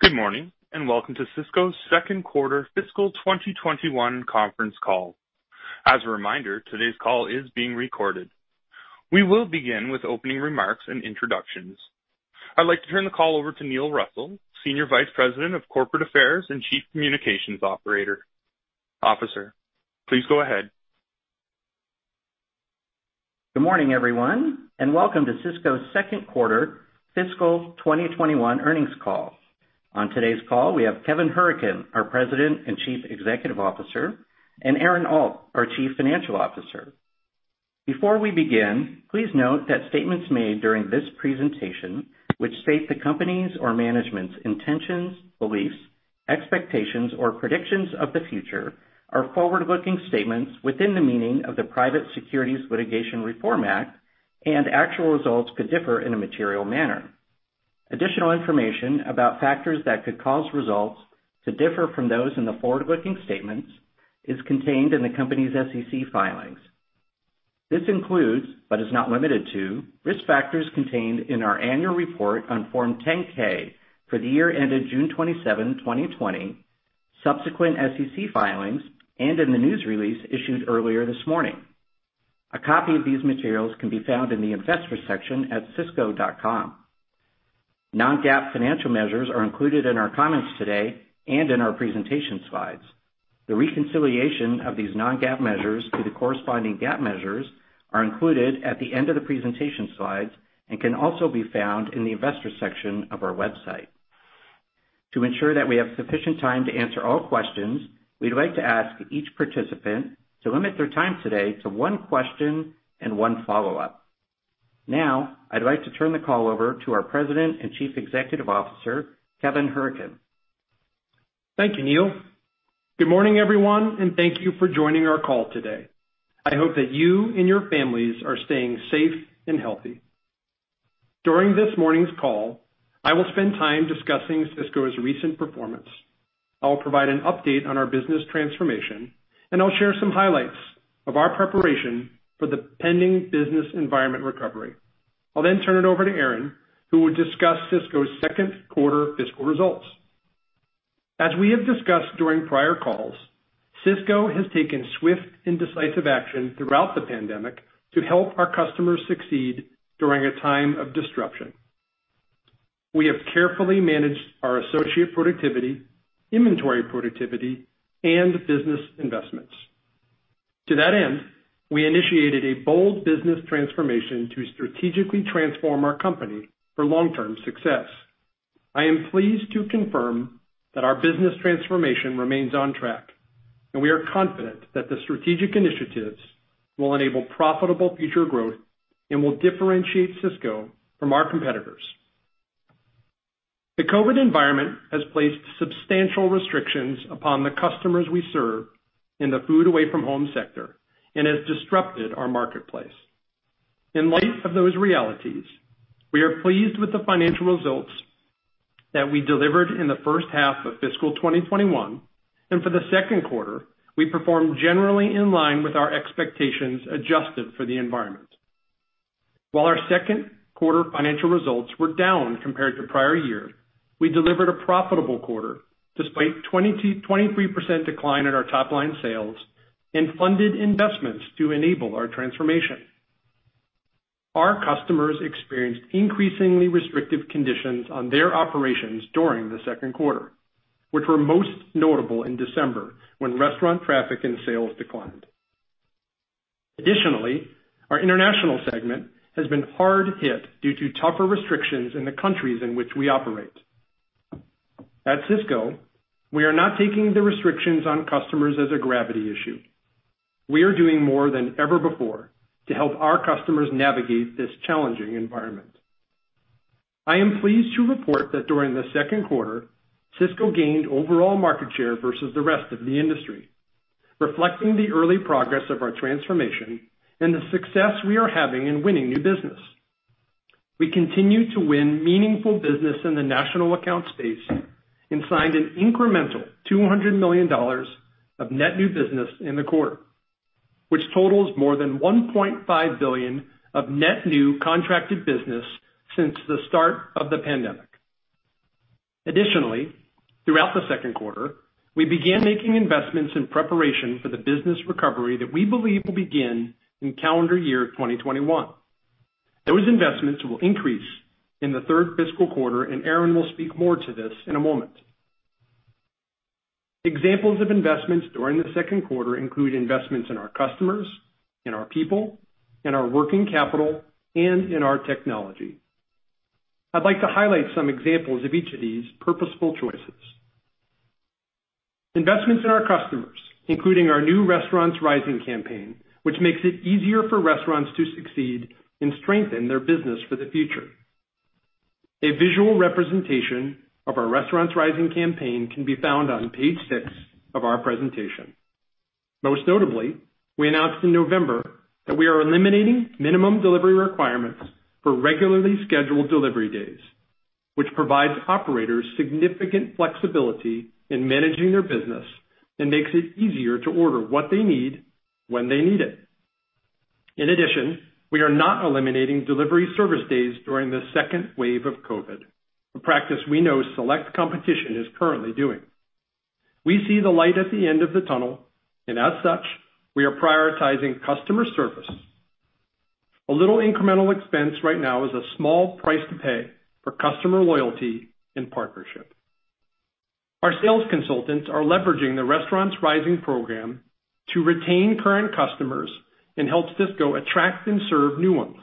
Good morning. Welcome to Sysco's second quarter fiscal 2021 conference call. As a reminder, today's call is being recorded. We will begin with opening remarks and introductions. I'd like to turn the call over to Neil Russell, Senior Vice President of Corporate Affairs and Chief Communications Officer. Please go ahead. Good morning, everyone, and welcome to Sysco's second quarter fiscal 2021 earnings call. On today's call, we have Kevin Hourican, our President and Chief Executive Officer, and Aaron Alt, our Chief Financial Officer. Before we begin, please note that statements made during this presentation which state the company's or management's intentions, beliefs, expectations, or predictions of the future are forward-looking statements within the meaning of the Private Securities Litigation Reform Act, and actual results could differ in a material manner. Additional information about factors that could cause results to differ from those in the forward-looking statements is contained in the company's SEC filings. This includes, but is not limited to, risk factors contained in our annual report on Form 10-K for the year ended June 27, 2020, subsequent SEC filings, and in the news release issued earlier this morning. A copy of these materials can be found in the Investors section at sysco.com. Non-GAAP financial measures are included in our comments today and in our presentation slides. The reconciliation of these Non-GAAP measures to the corresponding GAAP measures are included at the end of the presentation slides and can also be found in the Investors section of our website. To ensure that we have sufficient time to answer all questions, we'd like to ask each participant to limit their time today to one question and one follow-up. Now, I'd like to turn the call over to our President and Chief Executive Officer, Kevin Hourican. Thank you, Neil. Good morning, everyone, and thank you for joining our call today. I hope that you and your families are staying safe and healthy. During this morning's call, I will spend time discussing Sysco's recent performance. I will provide an update on our business transformation, and I'll share some highlights of our preparation for the pending business environment recovery. I'll turn it over to Aaron, who will discuss Sysco's second quarter fiscal results. As we have discussed during prior calls, Sysco has taken swift and decisive action throughout the pandemic to help our customers succeed during a time of disruption. We have carefully managed our associate productivity, inventory productivity, and business investments. To that end, we initiated a bold business transformation to strategically transform our company for long-term success. I am pleased to confirm that our business transformation remains on track, and we are confident that the strategic initiatives will enable profitable future growth and will differentiate Sysco from our competitors. The COVID environment has placed substantial restrictions upon the customers we serve in the food away from home sector and has disrupted our marketplace. In light of those realities, we are pleased with the financial results that we delivered in the first half of fiscal 2021, and for the second quarter, we performed generally in line with our expectations, adjusted for the environment. While our second quarter financial results were down compared to prior year, we delivered a profitable quarter despite 23% decline in our top-line sales and funded investments to enable our transformation. Our customers experienced increasingly restrictive conditions on their operations during the second quarter, which were most notable in December, when restaurant traffic and sales declined. Additionally, our international segment has been hard hit due to tougher restrictions in the countries in which we operate. At Sysco, we are not taking the restrictions on customers as a gravity issue. We are doing more than ever before to help our customers navigate this challenging environment. I am pleased to report that during the second quarter, Sysco gained overall market share versus the rest of the industry, reflecting the early progress of our transformation and the success we are having in winning new business. We continue to win meaningful business in the national account space and signed an incremental $200 million of net new business in the quarter, which totals more than $1.5 billion of net new contracted business since the start of the pandemic. Throughout the second quarter, we began making investments in preparation for the business recovery that we believe will begin in calendar year 2021. Those investments will increase in the third fiscal quarter, and Aaron Alt will speak more to this in a moment. Examples of investments during the second quarter include investments in our customers, in our people, in our working capital, and in our technology. I'd like to highlight some examples of each of these purposeful choices. Investments in our customers, including our new Restaurants Rising campaign, which makes it easier for restaurants to succeed and strengthen their business for the future. A visual representation of our Restaurants Rising campaign can be found on page six of our presentation. Most notably, we announced in November that we are eliminating minimum delivery requirements for regularly scheduled delivery days, which provides operators significant flexibility in managing their business and makes it easier to order what they need when they need it. In addition, we are not eliminating delivery service days during the second wave of COVID, a practice we know select competition is currently doing. We see the light at the end of the tunnel, and as such, we are prioritizing customer service. A little incremental expense right now is a small price to pay for customer loyalty and partnership. Our sales consultants are leveraging the Restaurants Rising program to retain current customers and help Sysco attract and serve new ones.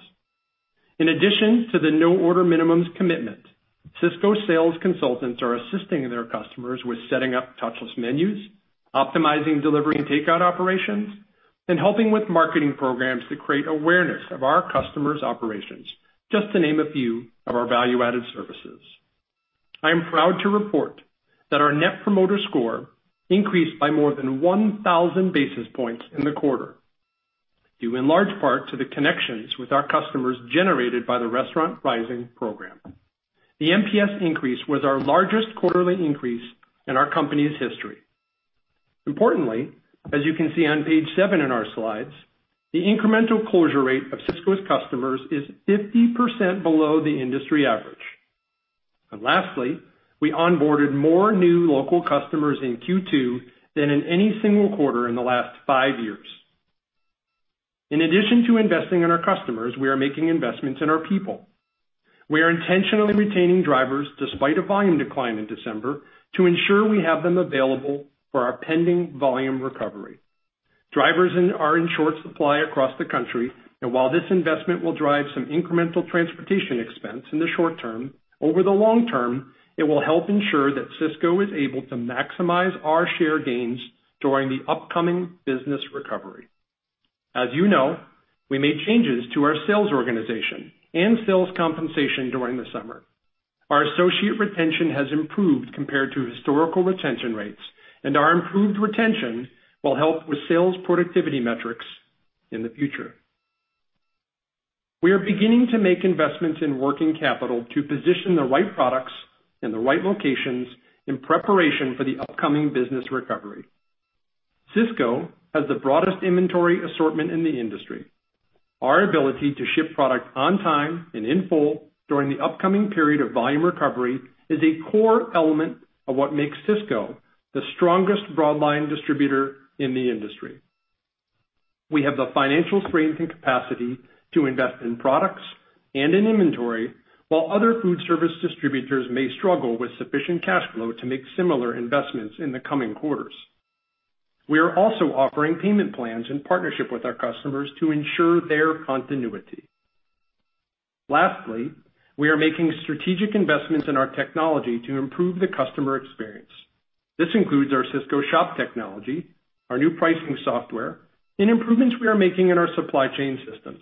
In addition to the no order minimums commitment, Sysco sales consultants are assisting their customers with setting up touchless menus, optimizing delivery and takeout operations, and helping with marketing programs that create awareness of our customers' operations, just to name a few of our value-added services. I am proud to report that our net promoter score increased by more than 1,000 basis points in the quarter, due in large part to the connections with our customers generated by the Restaurant Rising program. The NPS increase was our largest quarterly increase in our company's history. Importantly, as you can see on page seven in our slides, the incremental closure rate of Sysco's customers is 50% below the industry average. Lastly, we onboarded more new local customers in Q2 than in any single quarter in the last five years. In addition to investing in our customers, we are making investments in our people. We are intentionally retaining drivers despite a volume decline in December to ensure we have them available for our pending volume recovery. Drivers are in short supply across the country, and while this investment will drive some incremental transportation expense in the short term, over the long term, it will help ensure that Sysco is able to maximize our share gains during the upcoming business recovery. As you know, we made changes to our sales organization and sales compensation during the summer. Our associate retention has improved compared to historical retention rates, and our improved retention will help with sales productivity metrics in the future. We are beginning to make investments in working capital to position the right products in the right locations in preparation for the upcoming business recovery. Sysco has the broadest inventory assortment in the industry. Our ability to ship product on time and in full during the upcoming period of volume recovery is a core element of what makes Sysco the strongest broadline distributor in the industry. We have the financial strength and capacity to invest in products and in inventory, while other food service distributors may struggle with sufficient cash flow to make similar investments in the coming quarters. We are also offering payment plans in partnership with our customers to ensure their continuity. Lastly, we are making strategic investments in our technology to improve the customer experience. This includes our Sysco Shop technology, our new pricing software, and improvements we are making in our supply chain systems.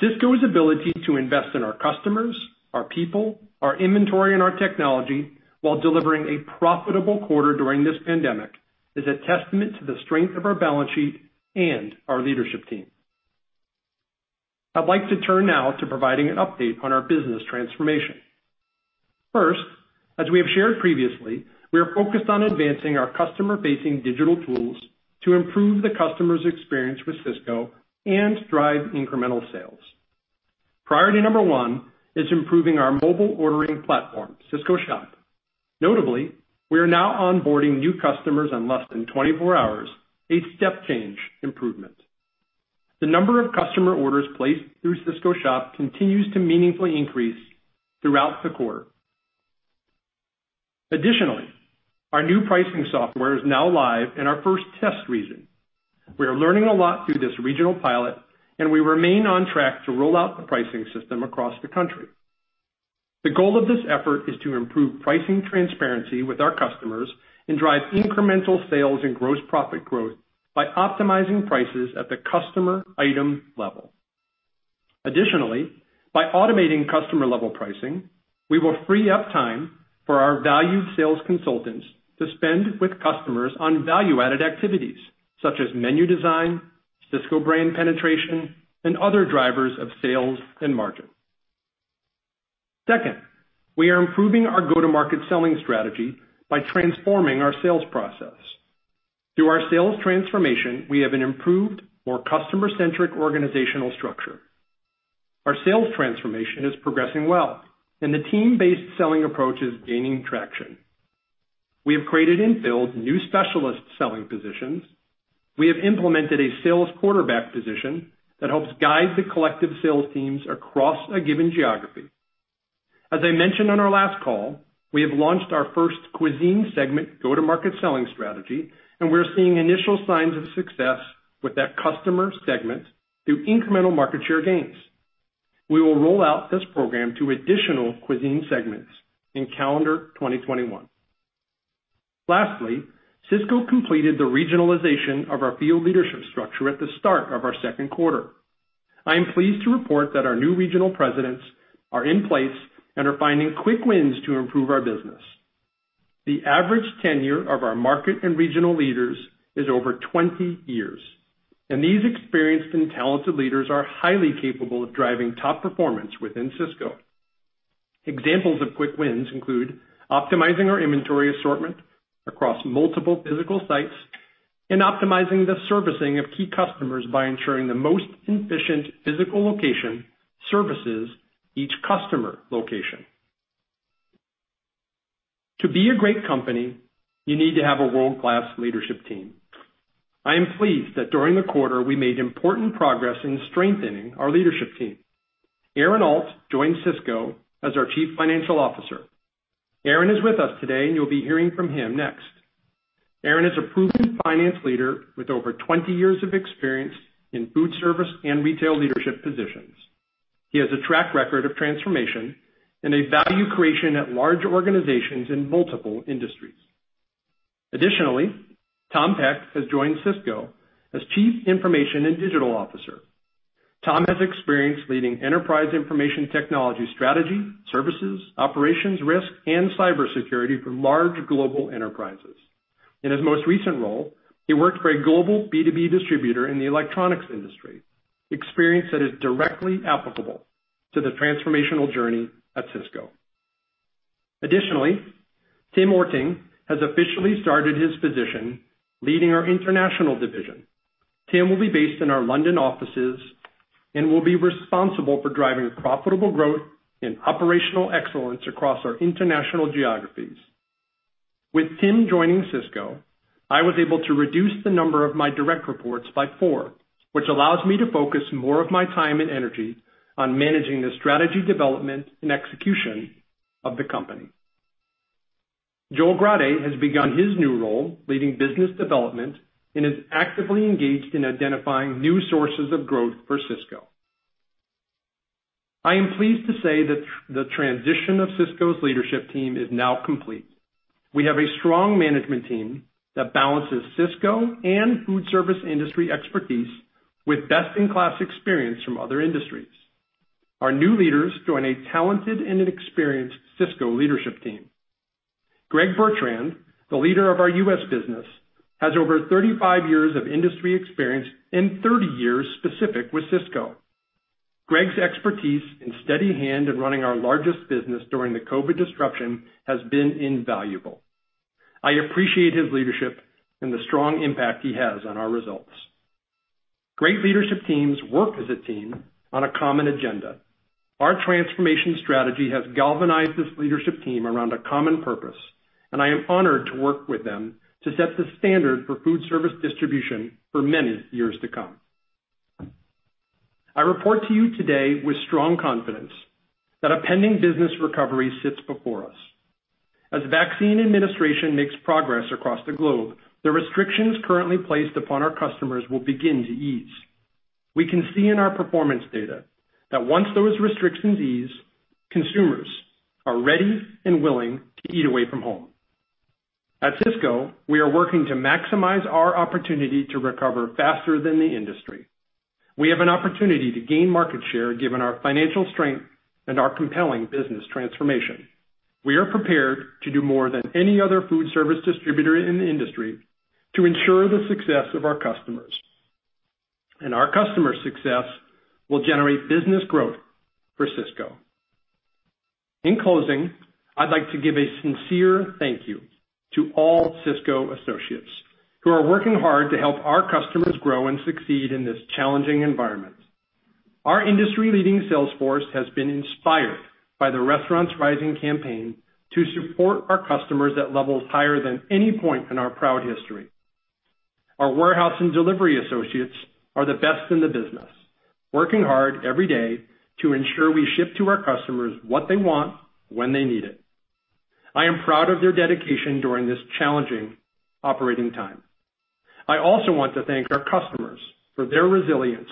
Sysco's ability to invest in our customers, our people, our inventory, and our technology while delivering a profitable quarter during this pandemic, is a testament to the strength of our balance sheet and our leadership team. I'd like to turn now to providing an update on our business transformation. First, as we have shared previously, we are focused on advancing our customer-facing digital tools to improve the customer's experience with Sysco and drive incremental sales. Priority number one is improving our mobile ordering platform, Sysco Shop. Notably, we are now onboarding new customers in less than 24 hours, a step change improvement. The number of customer orders placed through Sysco Shop continues to meaningfully increase throughout the quarter. Additionally, our new pricing software is now live in our first test region. We are learning a lot through this regional pilot, and we remain on track to roll out the pricing system across the country. The goal of this effort is to improve pricing transparency with our customers and drive incremental sales and gross profit growth by optimizing prices at the customer item level. Additionally, by automating customer-level pricing, we will free up time for our valued sales consultants to spend with customers on value-added activities, such as menu design, Sysco brand penetration, and other drivers of sales and margin. Second, we are improving our go-to-market selling strategy by transforming our sales process. Through our sales transformation, we have an improved, more customer-centric organizational structure. Our sales transformation is progressing well, and the team-based selling approach is gaining traction. We have created and filled new specialist selling positions. We have implemented a sales quarterback position that helps guide the collective sales teams across a given geography. As I mentioned on our last call, we have launched our first cuisine segment go-to-market selling strategy, and we're seeing initial signs of success with that customer segment through incremental market share gains. We will roll out this program to additional cuisine segments in calendar 2021. Lastly, Sysco completed the regionalization of our field leadership structure at the start of our second quarter. I am pleased to report that our new regional presidents are in place and are finding quick wins to improve our business. The average tenure of our market and regional leaders is over 20 years, and these experienced and talented leaders are highly capable of driving top performance within Sysco. Examples of quick wins include optimizing our inventory assortment across multiple physical sites and optimizing the servicing of key customers by ensuring the most efficient physical location services each customer location. To be a great company, you need to have a world-class leadership team. I am pleased that during the quarter, we made important progress in strengthening our leadership team. Aaron Alt joined Sysco as our Chief Financial Officer. Aaron is with us today, and you'll be hearing from him next. Aaron is a proven finance leader with over 20 years of experience in food service and retail leadership positions. He has a track record of transformation and value creation at large organizations in multiple industries. Additionally, Tom Peck has joined Sysco as chief information and digital officer. Tom has experience leading enterprise information technology strategy, services, operations, risk, and cybersecurity for large global enterprises. In his most recent role, he worked for a global B2B distributor in the electronics industry, experience that is directly applicable to the transformational journey at Sysco. Additionally, Tim Ørting has officially started his position leading our international division. Tim will be based in our London offices and will be responsible for driving profitable growth and operational excellence across our international geographies. With Tim joining Sysco, I was able to reduce the number of my direct reports by four, which allows me to focus more of my time and energy on managing the strategy development and execution of the company. Joel Grade has begun his new role leading business development and is actively engaged in identifying new sources of growth for Sysco. I am pleased to say that the transition of Sysco's leadership team is now complete. We have a strong management team that balances Sysco and foodservice industry expertise with best-in-class experience from other industries. Our new leaders join a talented and an experienced Sysco leadership team. Greg Bertrand, the leader of our US business, has over 35 years of industry experience and 30 years specific with Sysco. Greg's expertise and steady hand in running our largest business during the COVID disruption has been invaluable. I appreciate his leadership and the strong impact he has on our results. Great leadership teams work as a team on a common agenda. Our transformation strategy has galvanized this leadership team around a common purpose, and I am honored to work with them to set the standard for foodservice distribution for many years to come. I report to you today with strong confidence that a pending business recovery sits before us. As vaccine administration makes progress across the globe, the restrictions currently placed upon our customers will begin to ease. We can see in our performance data that once those restrictions ease, consumers are ready and willing to eat away from home. At Sysco, we are working to maximize our opportunity to recover faster than the industry. We have an opportunity to gain market share, given our financial strength and our compelling business transformation. We are prepared to do more than any other foodservice distributor in the industry to ensure the success of our customers. Our customers' success will generate business growth for Sysco. In closing, I'd like to give a sincere thank you to all Sysco associates who are working hard to help our customers grow and succeed in this challenging environment. Our industry-leading sales force has been inspired by the Restaurants Rising Campaign to support our customers at levels higher than any point in our proud history. Our warehouse and delivery associates are the best in the business, working hard every day to ensure we ship to our customers what they want when they need it. I am proud of their dedication during this challenging operating time. I also want to thank our customers for their resilience,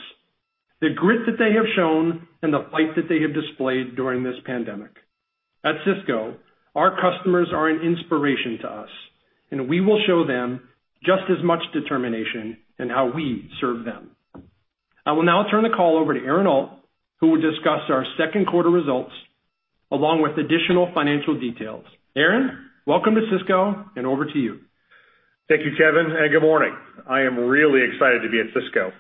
the grit that they have shown, and the fight that they have displayed during this pandemic. At Sysco, our customers are an inspiration to us, and we will show them just as much determination in how we serve them. I will now turn the call over to Aaron Alt, who will discuss our second quarter results along with additional financial details. Aaron, welcome to Sysco, and over to you. Thank you, Kevin, and good morning. I am really excited to be at Sysco.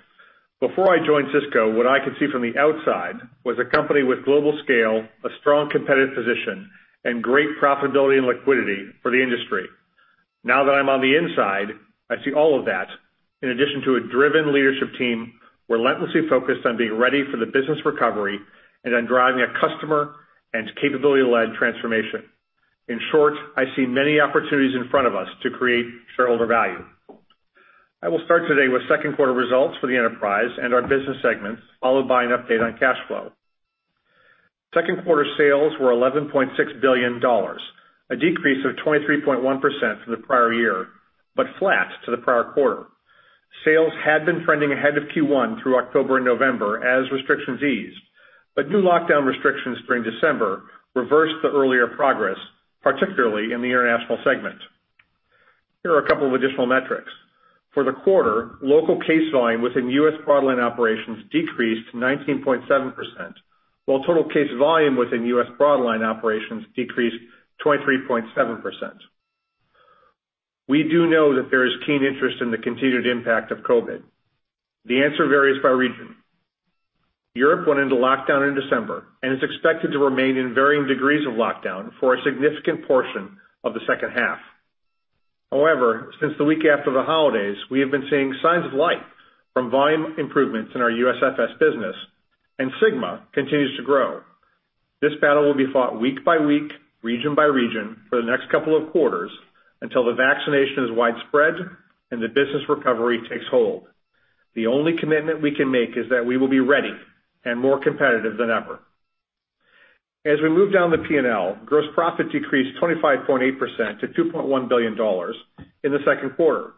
Before I joined Sysco, what I could see from the outside was a company with global scale, a strong competitive position, and great profitability and liquidity for the industry. Now that I'm on the inside, I see all of that in addition to a driven leadership team relentlessly focused on being ready for the business recovery and on driving a customer and capability-led transformation. In short, I see many opportunities in front of us to create shareholder value. I will start today with second quarter results for the enterprise and our business segments, followed by an update on cash flow. Second quarter sales were $11.6 billion, a decrease of 23.1% from the prior year, flat to the prior quarter. Sales had been trending ahead of Q1 through October and November as restrictions eased, but new lockdown restrictions during December reversed the earlier progress, particularly in the international segment. Here are a couple of additional metrics. For the quarter, local case volume within US Broadline operations decreased 19.7%, while total case volume within US Broadline operations decreased 23.7%. We do know that there is keen interest in the continued impact of COVID. The answer varies by region. Europe went into lockdown in December, and is expected to remain in varying degrees of lockdown for a significant portion of the second half. However, since the week after the holidays, we have been seeing signs of life from volume improvements in our USFS business, and SYGMA continues to grow. This battle will be fought week by week, region by region for the next couple of quarters until the vaccination is widespread and the business recovery takes hold. The only commitment we can make is that we will be ready and more competitive than ever. As we move down the P&L, gross profit decreased 25.8% to $2.1 billion in the second quarter.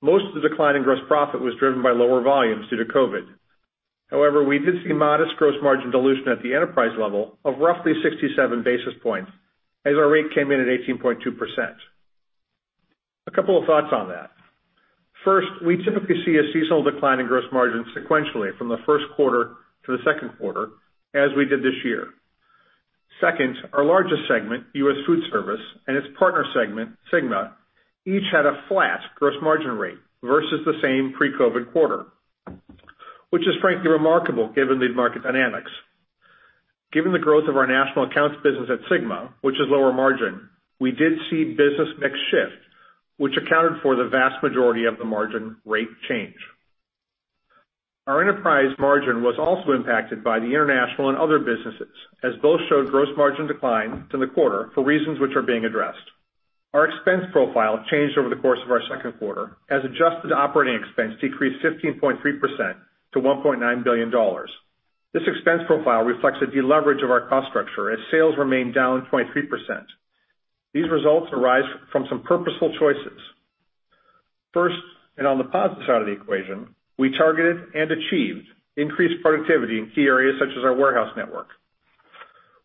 Most of the decline in gross profit was driven by lower volumes due to COVID. However, we did see modest gross margin dilution at the enterprise level of roughly 67 basis points, as our rate came in at 18.2%. A couple of thoughts on that. First, we typically see a seasonal decline in gross margin sequentially from the first quarter to the second quarter as we did this year. Second, our largest segment, US Foodservice, and its partner segment, SYGMA, each had a flat gross margin rate versus the same pre-COVID quarter, which is frankly remarkable given the market dynamics. Given the growth of our national accounts business at SYGMA, which is lower margin, we did see business mix shift, which accounted for the vast majority of the margin rate change. Our enterprise margin was also impacted by the international and other businesses, as both showed gross margin decline from the quarter for reasons which are being addressed. Our expense profile changed over the course of our second quarter, as adjusted operating expense decreased 15.3% to $1.9 billion. This expense profile reflects a deleverage of our cost structure as sales remained down 23%. These results arise from some purposeful choices. First, on the positive side of the equation, we targeted and achieved increased productivity in key areas such as our warehouse network.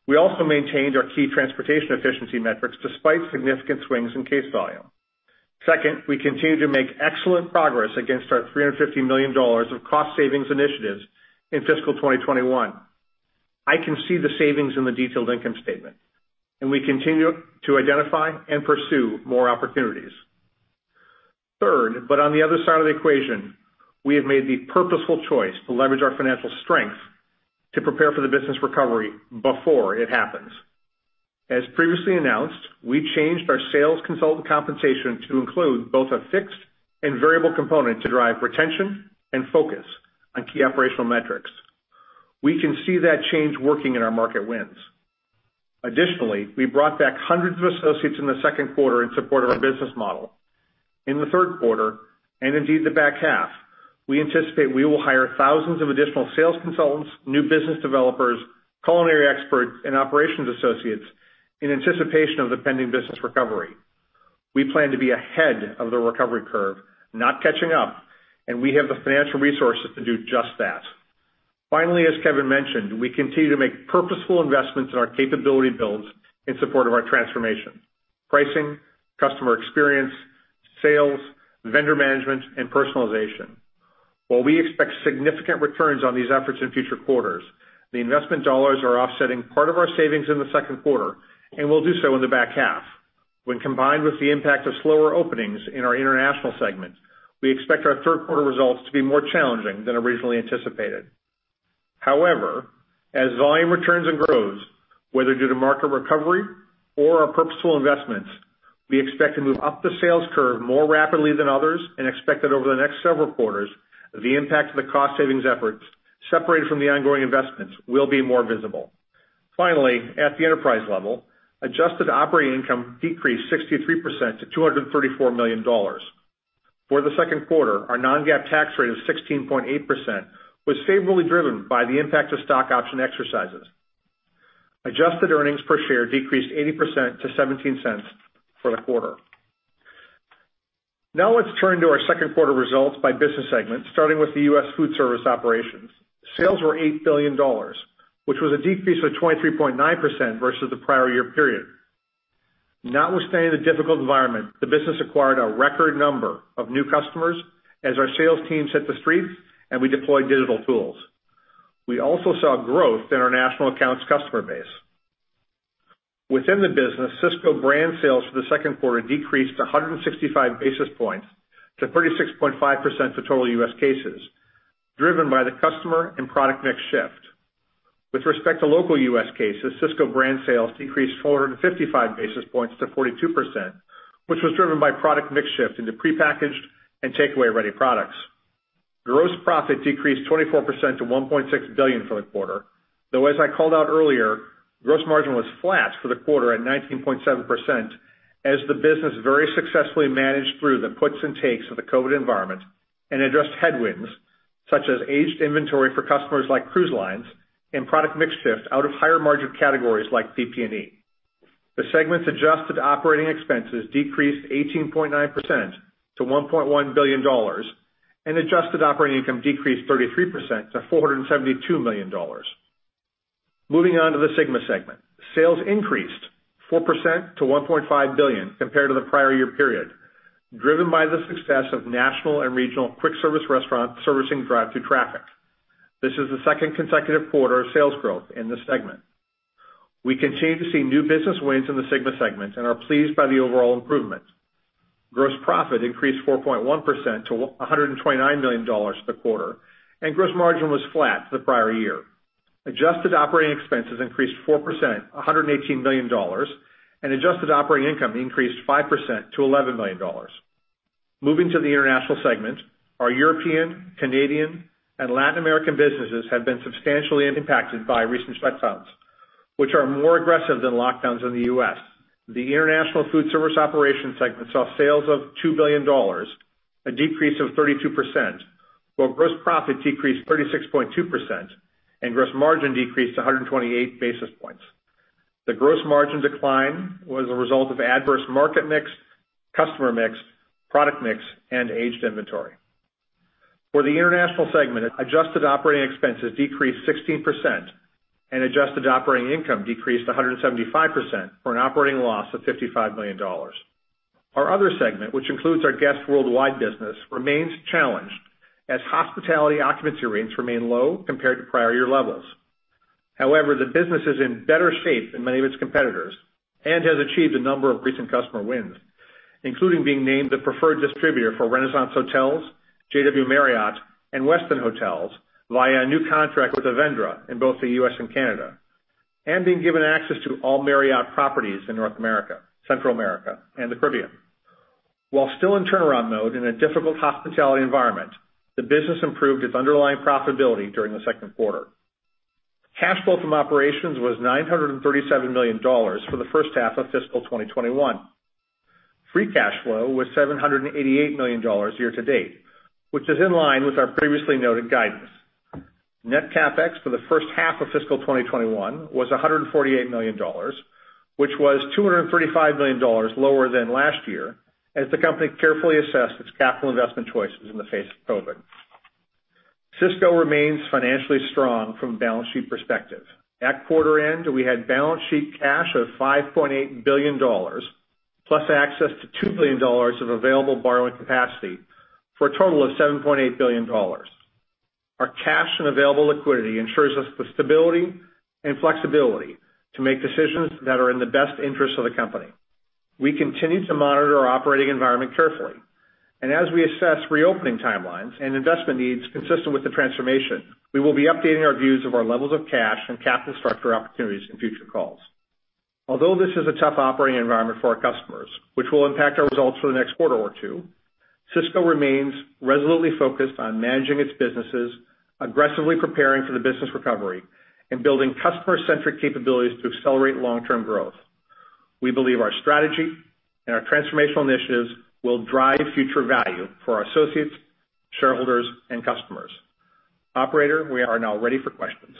We also maintained our key transportation efficiency metrics despite significant swings in case volume. Second, we continue to make excellent progress against our $350 million of cost savings initiatives in fiscal 2021. I can see the savings in the detailed income statement, we continue to identify and pursue more opportunities. Third, on the other side of the equation, we have made the purposeful choice to leverage our financial strength to prepare for the business recovery before it happens. As previously announced, we changed our sales consultant compensation to include both a fixed and variable component to drive retention and focus on key operational metrics. We can see that change working in our market wins. Additionally, we brought back hundreds of associates in the second quarter in support of our business model. In the third quarter, and indeed the back half, we anticipate we will hire thousands of additional sales consultants, New Business Developers, culinary experts, and operations associates in anticipation of the pending business recovery. We plan to be ahead of the recovery curve, not catching up, and we have the financial resources to do just that. Finally, as Kevin mentioned, we continue to make purposeful investments in our capability builds in support of our transformation. Pricing, customer experience, sales, vendor management, and personalization. While we expect significant returns on these efforts in future quarters, the investment dollars are offsetting part of our savings in the second quarter and will do so in the back half. When combined with the impact of slower openings in our international segment, we expect our third quarter results to be more challenging than originally anticipated. As volume returns and grows, whether due to market recovery or our purposeful investments, we expect to move up the sales curve more rapidly than others and expect that over the next several quarters, the impact of the cost savings efforts, separated from the ongoing investments, will be more visible. Finally, at the enterprise level, adjusted operating income decreased 63% to $234 million. For the second quarter, our non-GAAP tax rate of 16.8% was favorably driven by the impact of stock option exercises. Adjusted earnings per share decreased 80% to $0.17 for the quarter. Now let's turn to our second quarter results by business segment, starting with the US Foodservice Operations. Sales were $8 billion, which was a decrease of 23.9% versus the prior year period. Notwithstanding the difficult environment, the business acquired a record number of new customers as our sales team hit the streets and we deployed digital tools. We also saw growth in our national accounts customer base. Within the business, Sysco brand sales for the second quarter decreased 165 basis points to 36.5% of total US cases, driven by the customer and product mix shift. With respect to local US cases, Sysco brand sales decreased 455 basis points to 42%, which was driven by product mix shift into prepackaged and takeaway-ready products. Gross profit decreased 24% to $1.6 billion for the quarter. As I called out earlier, gross margin was flat for the quarter at 19.7% as the business very successfully managed through the puts and takes of the COVID environment and addressed headwinds such as aged inventory for customers like cruise lines and product mix shift out of higher margin categories like CP&E. The segment's adjusted operating expenses decreased 18.9% to $1.1 billion, and adjusted operating income decreased 33% to $472 million. Moving on to the SYGMA segment. Sales increased 4% to $1.5 billion compared to the prior year period, driven by the success of national and regional quick service restaurant servicing drive-through traffic. This is the second consecutive quarter of sales growth in this segment. We continue to see new business wins in the SYGMA segment and are pleased by the overall improvement. Gross profit increased 4.1% to $129 million the quarter. Gross margin was flat to the prior year. Adjusted operating expenses increased 4%, $118 million. Adjusted operating income increased 5% to $11 million. Moving to the international segment, our European, Canadian, and Latin American businesses have been substantially impacted by recent shutdowns, which are more aggressive than lockdowns in the U.S. The international Foodservice Operations segment saw sales of $2 billion, a decrease of 32%, while gross profit decreased 36.2% and gross margin decreased 128 basis points. The gross margin decline was a result of adverse market mix, customer mix, product mix, and aged inventory. For the international segment, adjusted operating expenses decreased 16%. Adjusted operating income decreased 175%, for an operating loss of $55 million. Our other segment, which includes our Guest Worldwide business, remains challenged as hospitality occupancy rates remain low compared to prior year levels. However, the business is in better shape than many of its competitors and has achieved a number of recent customer wins, including being named the preferred distributor for Renaissance Hotels, JW Marriott, and Westin Hotels via a new contract with Avendra in both the U.S. and Canada, and being given access to all Marriott properties in North America, Central America, and the Caribbean. While still in turnaround mode in a difficult hospitality environment, the business improved its underlying profitability during the second quarter. Cash flow from operations was $937 million for the first half of fiscal 2021. Free cash flow was $788 million year-to-date, which is in line with our previously noted guidance. Net CapEx for the first half of fiscal 2021 was $148 million, which was $235 million lower than last year, as the company carefully assessed its capital investment choices in the face of COVID. Sysco remains financially strong from a balance sheet perspective. At quarter end, we had balance sheet cash of $5.8 billion, plus access to $2 billion of available borrowing capacity, for a total of $7.8 billion. Our cash and available liquidity ensures us the stability and flexibility to make decisions that are in the best interest of the company. As we assess reopening timelines and investment needs consistent with the transformation, we will be updating our views of our levels of cash and capital structure opportunities in future calls. Although this is a tough operating environment for our customers, which will impact our results for the next quarter or two, Sysco remains resolutely focused on managing its businesses, aggressively preparing for the business recovery, and building customer-centric capabilities to accelerate long-term growth. We believe our strategy and our transformational initiatives will drive future value for our associates, shareholders, and customers. Operator, we are now ready for questions.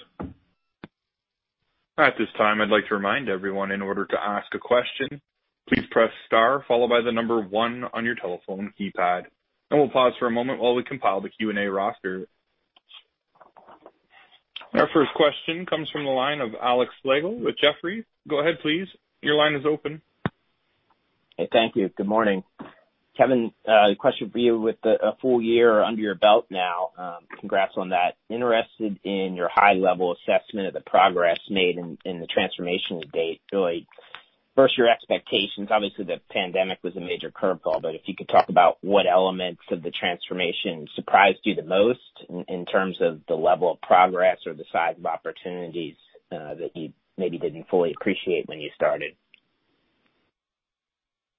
At this time, I'd like to remind everyone, in order to ask a question, please press star followed by the number one on your telephone keypad, and we'll pause for a moment while we compile the Q&A roster. Our first question comes from the line of Alex Slagle with Jefferies. Go ahead, please. Your line is open. Hey, thank you. Good morning. Kevin, a question for you. With a full year under your belt now, congrats on that. Interested in your high-level assessment of the progress made in the transformation to date. Really, first, your expectations. Obviously, the pandemic was a major curveball, if you could talk about what elements of the transformation surprised you the most in terms of the level of progress or the size of opportunities that you maybe didn't fully appreciate when you started.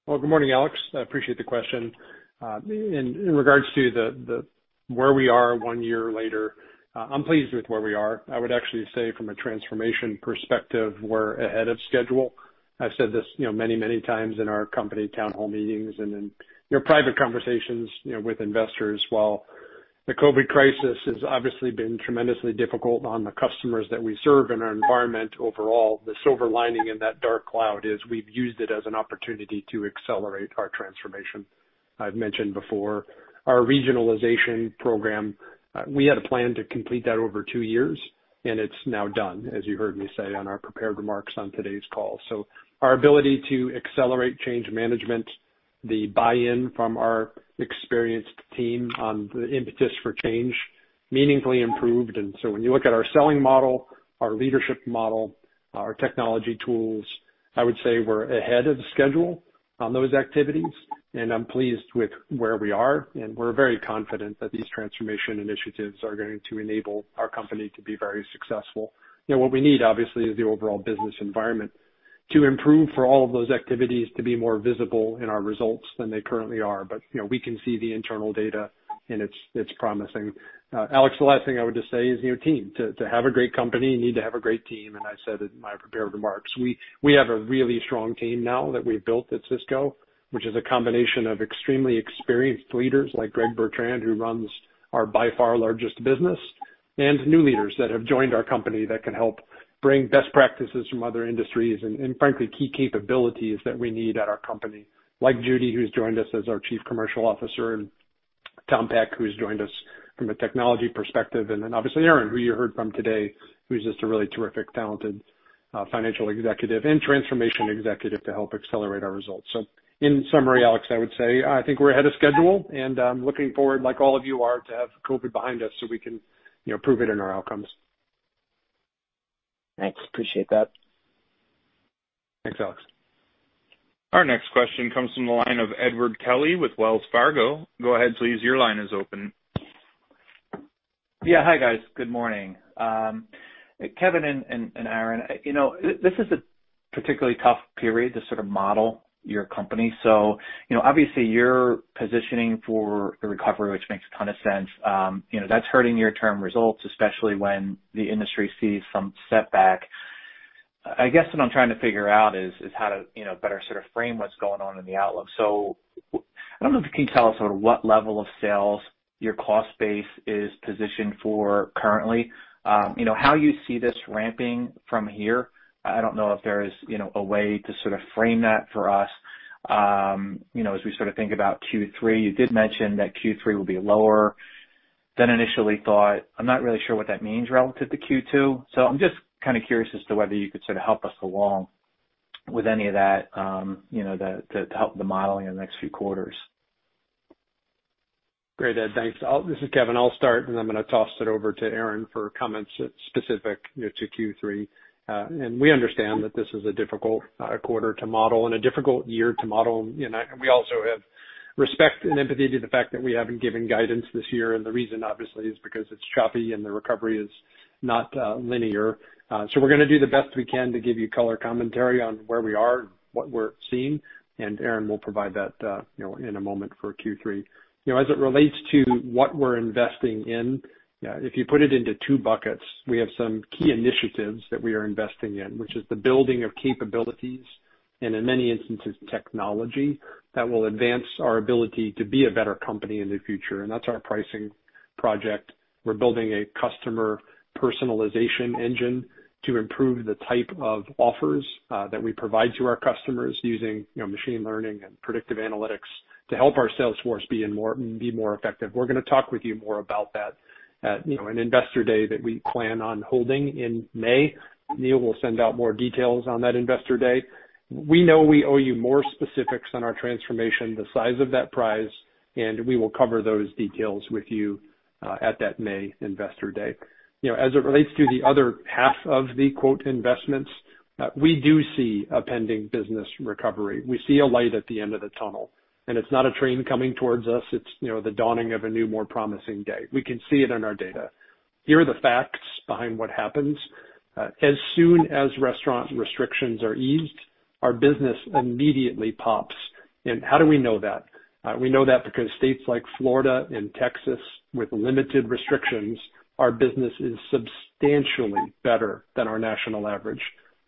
Well, good morning, Alex Slagle. I appreciate the question. In regards to where we are one year later, I'm pleased with where we are. I would actually say from a transformation perspective, we're ahead of schedule. I've said this many times in our company town hall meetings and in private conversations with investors. While the COVID crisis has obviously been tremendously difficult on the customers that we serve and our environment overall, the silver lining in that dark cloud is we've used it as an opportunity to accelerate our transformation. I've mentioned before, our regionalization program, we had a plan to complete that over two years, and it's now done, as you heard me say on our prepared remarks on today's call. Our ability to accelerate change management, the buy-in from our experienced team on the impetus for change meaningfully improved. When you look at our selling model, our leadership model, our technology tools, I would say we're ahead of schedule on those activities, and I'm pleased with where we are, and we're very confident that these transformation initiatives are going to enable our company to be very successful. What we need, obviously, is the overall business environment to improve for all of those activities to be more visible in our results than they currently are. But we can see the internal data, and it's promising. Alex Slagle, the last thing I would just say is your team. To have a great company, you need to have a great team, and I said it in my prepared remarks. We have a really strong team now that we've built at Sysco, which is a combination of extremely experienced leaders like Greg Bertrand, who runs our by far largest business, and new leaders that have joined our company that can help bring best practices from other industries and frankly, key capabilities that we need at our company, like Judy, who's joined us as our Chief Commercial Officer, and Tom Peck, who's joined us from a technology perspective, and then obviously Aaron, who you heard from today, who's just a really terrific, talented financial executive and transformation executive to help accelerate our results. In summary, Alex, I would say I think we're ahead of schedule, and I'm looking forward, like all of you are, to have COVID behind us so we can prove it in our outcomes. Thanks. Appreciate that. Thanks, Alex. Our next question comes from the line of Edward Kelly with Wells Fargo. Hi, guys. Good morning. Kevin and Aaron, this is a particularly tough period to sort of model your company. Obviously you're positioning for a recovery, which makes a ton of sense. That's hurting your term results, especially when the industry sees some setback. I guess what I'm trying to figure out is how to better sort of frame what's going on in the outlook. I don't know if you can tell us sort of what level of sales your cost base is positioned for currently. How you see this ramping from here. I don't know if there is a way to sort of frame that for us as we sort of think about Q3. You did mention that Q3 will be lower than initially thought. I'm not really sure what that means relative to Q2. I'm just kind of curious as to whether you could sort of help us along with any of that to help the modeling in the next few quarters. Great, Ed. Thanks. This is Kevin. I'll start, and then I'm going to toss it over to Aaron for comments specific to Q3. We understand that this is a difficult quarter to model and a difficult year to model. We also have respect and empathy to the fact that we haven't given guidance this year. The reason, obviously, is because it's choppy and the recovery is not linear. We're going to do the best we can to give you color commentary on where we are and what we're seeing, and Aaron will provide that in a moment for Q3. As it relates to what we're investing in, if you put it into two buckets, we have some key initiatives that we are investing in, which is the building of capabilities and, in many instances, technology that will advance our ability to be a better company in the future. That's our pricing project. We're building a customer personalization engine to improve the type of offers that we provide to our customers using machine learning and predictive analytics to help our sales force be more effective. We're going to talk with you more about that at an investor day that we plan on holding in May. Neil will send out more details on that investor day. We know we owe you more specifics on our transformation, the size of that prize, and we will cover those details with you at that May investor day. As it relates to the other half of the quote investments, we do see a pending business recovery. We see a light at the end of the tunnel. It's not a train coming towards us. It's the dawning of a new, more promising day. We can see it in our data. Here are the facts behind what happens. As soon as restaurant restrictions are eased, our business immediately pops. How do we know that? We know that because states like Florida and Texas, with limited restrictions, our business is substantially better than our national average.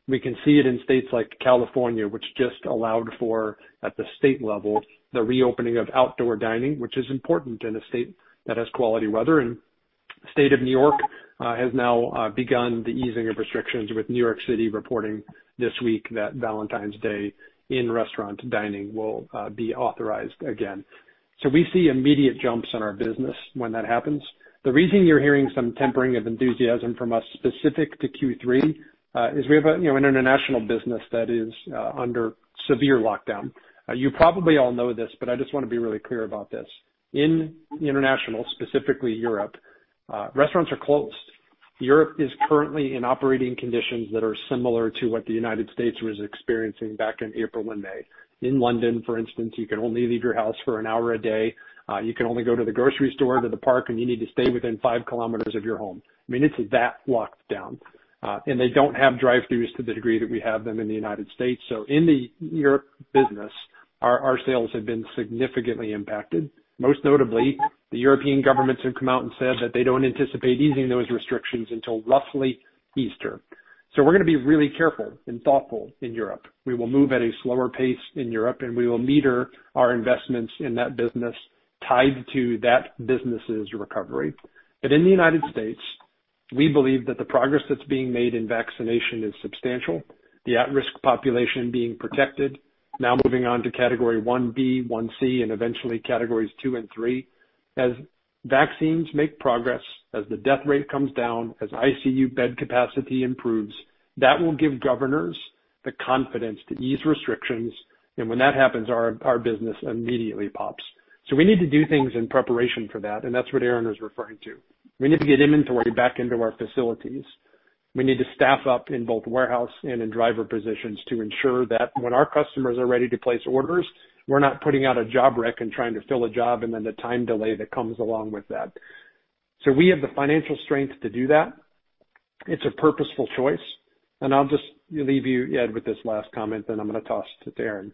We can see it in states like California, which just allowed for, at the state level, the reopening of outdoor dining, which is important in a state that has quality weather. The State of New York has now begun the easing of restrictions with New York City reporting this week that Valentine's Day in restaurant dining will be authorized again. We see immediate jumps in our business when that happens. The reason you're hearing some tempering of enthusiasm from us specific to Q3 is we have an international business that is under severe lockdown. You probably all know this, I just want to be really clear about this. In international, specifically Europe, restaurants are closed. Europe is currently in operating conditions that are similar to what the U.S. was experiencing back in April and May. In London, for instance, you can only leave your house for an hour a day. You can only go to the grocery store, to the park, and you need to stay within five kilometers of your home. I mean, it's that locked down. They don't have drive-throughs to the degree that we have them in the United States. In the Europe business, our sales have been significantly impacted. Most notably, the European governments have come out and said that they don't anticipate easing those restrictions until roughly Easter. We're going to be really careful and thoughtful in Europe. We will move at a slower pace in Europe, and we will meter our investments in that business tied to that business's recovery. In the United States, we believe that the progress that's being made in vaccination is substantial. The at-risk population being protected, now moving on to category 1B, 1C, and eventually categories two and three. As vaccines make progress, as the death rate comes down, as ICU bed capacity improves, that will give governors the confidence to ease restrictions. When that happens, our business immediately pops. We need to do things in preparation for that, and that's what Aaron was referring to. We need to get inventory back into our facilities. We need to staff up in both warehouse and in driver positions to ensure that when our customers are ready to place orders, we're not putting out a job req and trying to fill a job and then the time delay that comes along with that. We have the financial strength to do that. It's a purposeful choice. I'll just leave you, Ed, with this last comment, then I'm going to toss it to Aaron.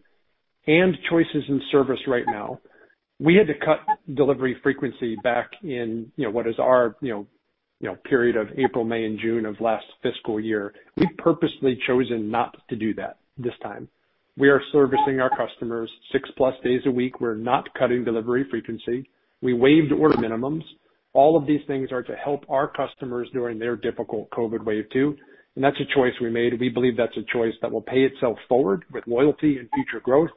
Choices in service right now. We had to cut delivery frequency back in what is our period of April, May, and June of last fiscal year. We've purposely chosen not to do that this time. We are servicing our customers six-plus days a week. We're not cutting delivery frequency. We waived order minimums. All of these things are to help our customers during their difficult COVID wave two, and that's a choice we made. We believe that's a choice that will pay itself forward with loyalty and future growth.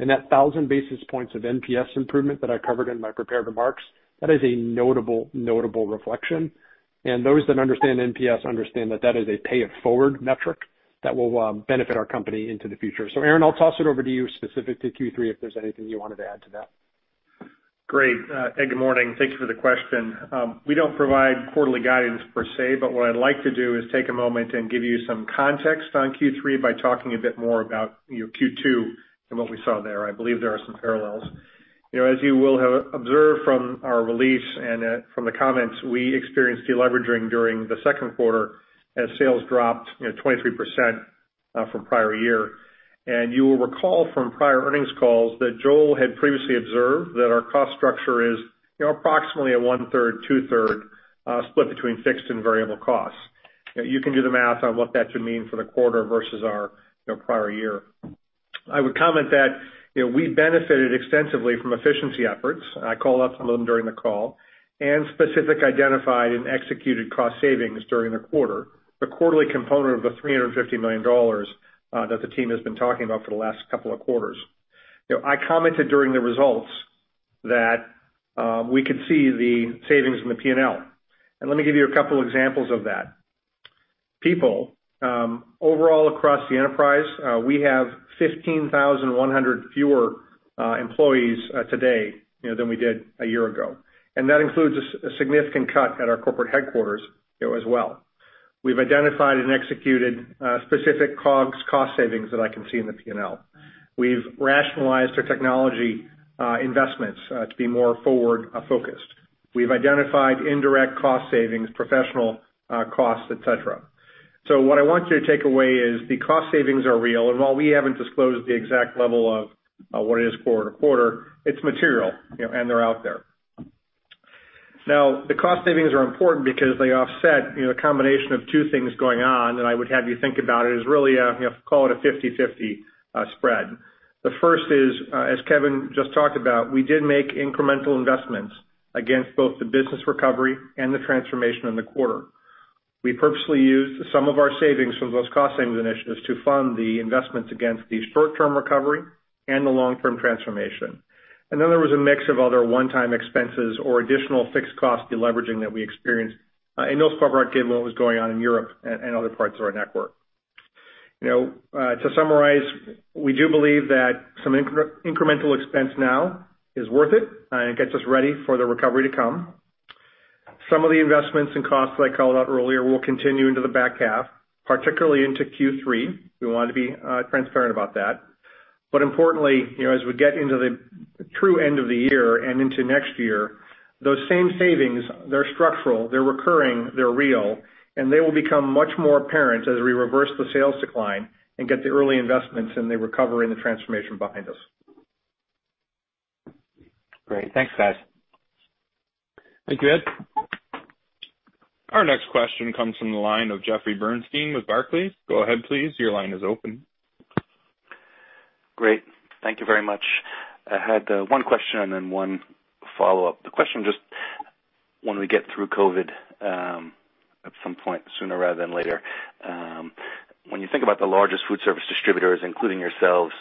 That 1,000 basis points of NPS improvement that I covered in my prepared remarks, that is a notable reflection. Those that understand NPS understand that that is a pay-it-forward metric that will benefit our company into the future. Aaron Alt, I'll toss it over to you specific to Q3 if there's anything you wanted to add to that. Great. Ed, good morning. Thank you for the question. We don't provide quarterly guidance per se, but what I'd like to do is take a moment and give you some context on Q3 by talking a bit more about Q2 from what we saw there. I believe there are some parallels. As you will have observed from our release and from the comments, we experienced de-leveraging during the second quarter as sales dropped 23% from prior year. You will recall from prior earnings calls that Joel had previously observed that our cost structure is approximately a one-third, two-third split between fixed and variable costs. You can do the math on what that should mean for the quarter versus our prior year. I would comment that we benefited extensively from efficiency efforts, and I call out some of them during the call, and specific identified and executed cost savings during the quarter. The quarterly component of the $350 million that the team has been talking about for the last couple of quarters. I commented during the results that we could see the savings in the P&L. Let me give you a couple examples of that. People, overall across the enterprise, we have 15,100 fewer employees today than we did a year ago, and that includes a significant cut at our corporate headquarters as well. We've identified and executed specific COGS cost savings that I can see in the P&L. We've rationalized our technology investments to be more forward-focused. We've identified indirect cost savings, professional costs, et cetera. What I want you to take away is the cost savings are real, and while we haven't disclosed the exact level of what it is quarter-to-quarter, it's material, and they're out there. The cost savings are important because they offset a combination of two things going on, and I would have you think about it as really a 50/50 spread. The first is, as Kevin just talked about, we did make incremental investments against both the business recovery and the transformation in the quarter. We purposely used some of our savings from those cost savings initiatives to fund the investments against the short-term recovery and the long-term transformation. Then there was a mix of other one-time expenses or additional fixed cost de-leveraging that we experienced. In those, part gave what was going on in Europe and other parts of our network. To summarize, we do believe that some incremental expense now is worth it, and it gets us ready for the recovery to come. Some of the investments and costs that I called out earlier will continue into the back half, particularly into Q3. We want to be transparent about that. Importantly, as we get into the true end of the year and into next year, those same savings, they're structural, they're recurring, they're real, and they will become much more apparent as we reverse the sales decline and get the early investments and the recovery and the transformation behind us. Great. Thanks, guys. Thank you, Ed. Our next question comes from the line of Jeffrey Bernstein with Barclays. Go ahead, please. Your line is open. Great. Thank you very much. I had one question and then one follow-up. The question just when we get through COVID, at some point sooner rather than later, when you think about the largest foodservice distributors, including yourselves,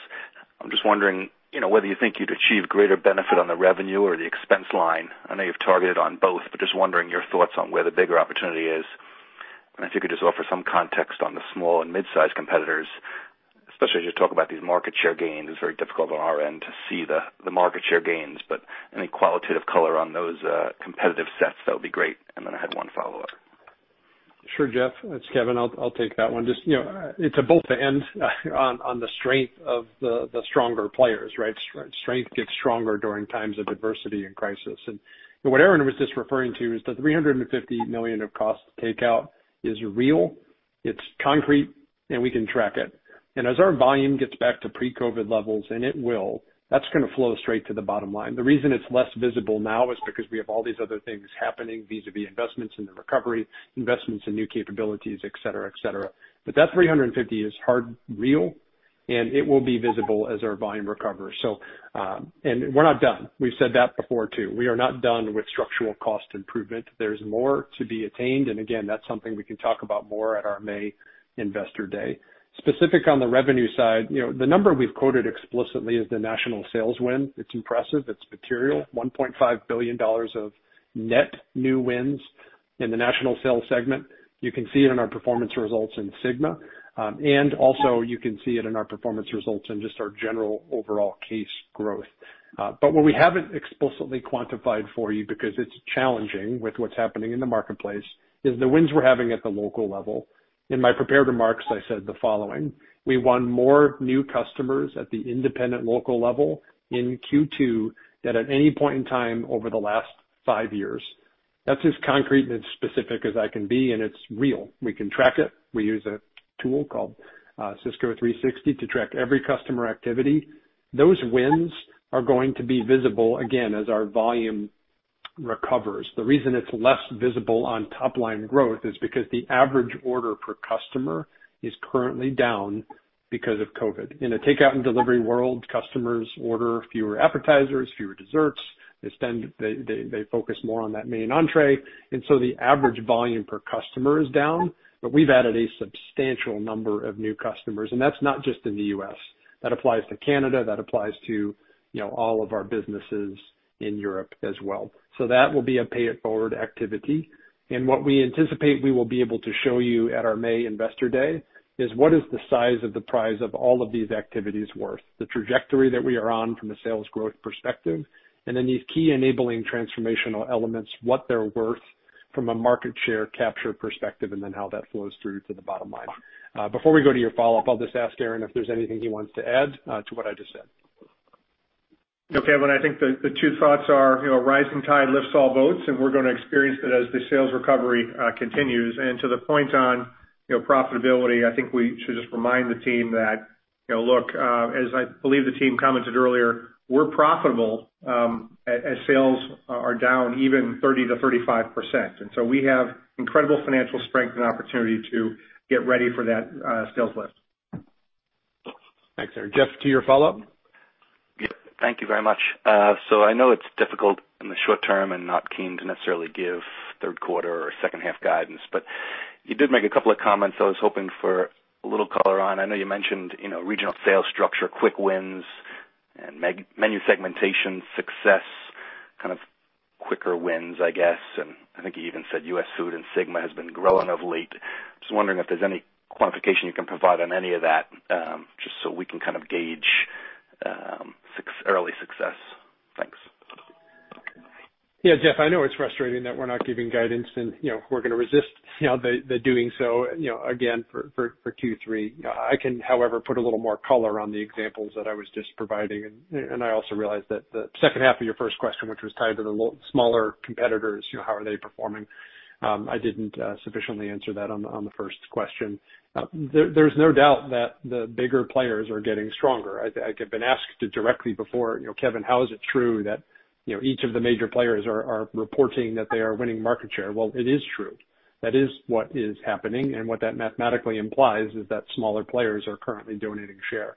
I'm just wondering whether you think you'd achieve greater benefit on the revenue or the expense line. I know you've targeted on both, but just wondering your thoughts on where the bigger opportunity is. If you could just offer some context on the small and mid-size competitors, especially as you talk about these market share gains. It's very difficult on our end to see the market share gains. Any qualitative color on those competitive sets, that would be great. Then I had one follow-up. Sure, Jeff. It's Kevin. I'll take that one. Just it's a both and on the strength of the stronger players, right? Strength gets stronger during times of adversity and crisis. What Aaron was just referring to is the $350 million of cost takeout is real, it's concrete, and we can track it. As our volume gets back to pre-COVID levels, and it will, that's gonna flow straight to the bottom line. The reason it's less visible now is because we have all these other things happening vis-a-vis investments in the recovery, investments in new capabilities, et cetera. That $350 is hard, real, and it will be visible as our volume recovers. We're not done. We've said that before, too. We are not done with structural cost improvement. There's more to be attained. Again, that's something we can talk about more at our May investor day. Specific on the revenue side, the number we've quoted explicitly is the National Sales win. It's impressive. It's material. $1.5 billion of net new wins in the National Sales segment. You can see it in our performance results in SYGMA. Also you can see it in our performance results in just our general overall case growth. What we haven't explicitly quantified for you because it's challenging with what's happening in the marketplace is the wins we're having at the local level. In my prepared remarks, I said the following. We won more new customers at the independent local level in Q2 than at any point in time over the last five years. That's as concrete and as specific as I can be, and it's real. We can track it. We use a tool called Sysco 360 to track every customer activity. Those wins are going to be visible again as our volume recovers. The reason it's less visible on top-line growth is because the average order per customer is currently down because of COVID. In a takeout and delivery world, customers order fewer appetizers, fewer desserts. They focus more on that main entrée. The average volume per customer is down, but we've added a substantial number of new customers. That's not just in the U.S. That applies to Canada. That applies to all of our businesses in Europe as well. That will be a pay-it-forward activity. What we anticipate we will be able to show you at our May investor day is what is the size of the prize of all of these activities worth, the trajectory that we are on from a sales growth perspective, and then these key enabling transformational elements, what they're worth from a market share capture perspective, and then how that flows through to the bottom line. Before we go to your follow-up, I'll just ask Aaron if there's anything he wants to add to what I just said. No, Kevin, I think the two thoughts are rising tide lifts all boats, and we're going to experience it as the sales recovery continues. To the point on profitability, I think we should just remind the team that, look, as I believe the team commented earlier, we're profitable as sales are down even 30%-35%. We have incredible financial strength and opportunity to get ready for that sales lift. Thanks, Aaron. Jeff, to your follow-up? Yeah. Thank you very much. I know it's difficult in the short term and not keen to necessarily give third quarter or second half guidance, but you did make a couple of comments I was hoping for a little color on. I know you mentioned regional sales structure, quick wins, and menu segmentation success, kind of quicker wins, I guess. I think you even said US Foodservice and SYGMA has been growing of late. Just wondering if there's any quantification you can provide on any of that, just so we can kind of gauge early success. Thanks. Yeah, Jeff, I know it's frustrating that we're not giving guidance, and we're going to resist the doing so again for Q3. I can, however, put a little more color on the examples that I was just providing, and I also realize that the second half of your first question, which was tied to the smaller competitors, how are they performing? I didn't sufficiently answer that on the first question. There's no doubt that the bigger players are getting stronger. I've been asked directly before, "Kevin, how is it true that each of the major players are reporting that they are winning market share?" Well, it is true. That is what is happening, and what that mathematically implies is that smaller players are currently donating share,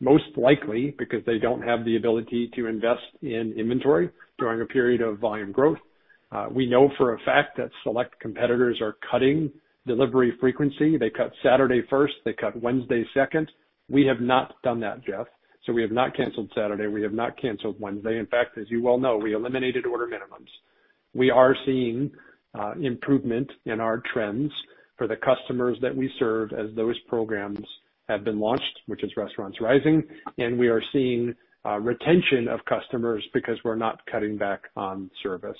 most likely because they don't have the ability to invest in inventory during a period of volume growth. We know for a fact that select competitors are cutting delivery frequency. They cut Saturday first. They cut Wednesday second. We have not done that, Jeff. We have not canceled Saturday. We have not canceled Wednesday. In fact, as you well know, we eliminated order minimums. We are seeing improvement in our trends for the customers that we serve as those programs have been launched, which is Restaurants Rising, and we are seeing retention of customers because we're not cutting back on service.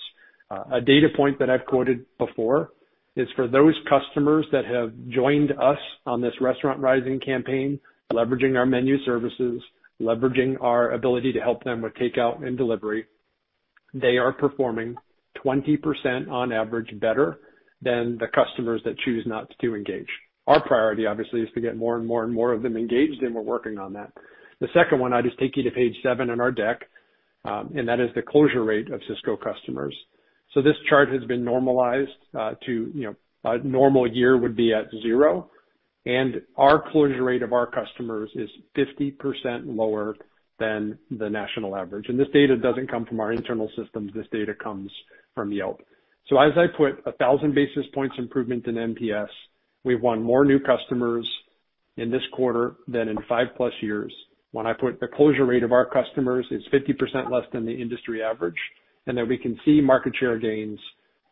A data point that I've quoted before is for those customers that have joined us on this Restaurants Rising campaign, leveraging our menu services, leveraging our ability to help them with takeout and delivery, they are performing 20% on average better than the customers that choose not to engage. Our priority, obviously, is to get more and more of them engaged, and we're working on that. The second one, I'd just take you to page seven in our deck, and that is the closure rate of Sysco customers. This chart has been normalized to a normal year would be at zero, and our closure rate of our customers is 50% lower than the national average. This data doesn't come from our internal systems. This data comes from Yelp. As I put 1,000 basis points improvement in NPS, we've won more new customers in this quarter than in 5+ years. When I put the closure rate of our customers is 50% less than the industry average, and that we can see market share gains,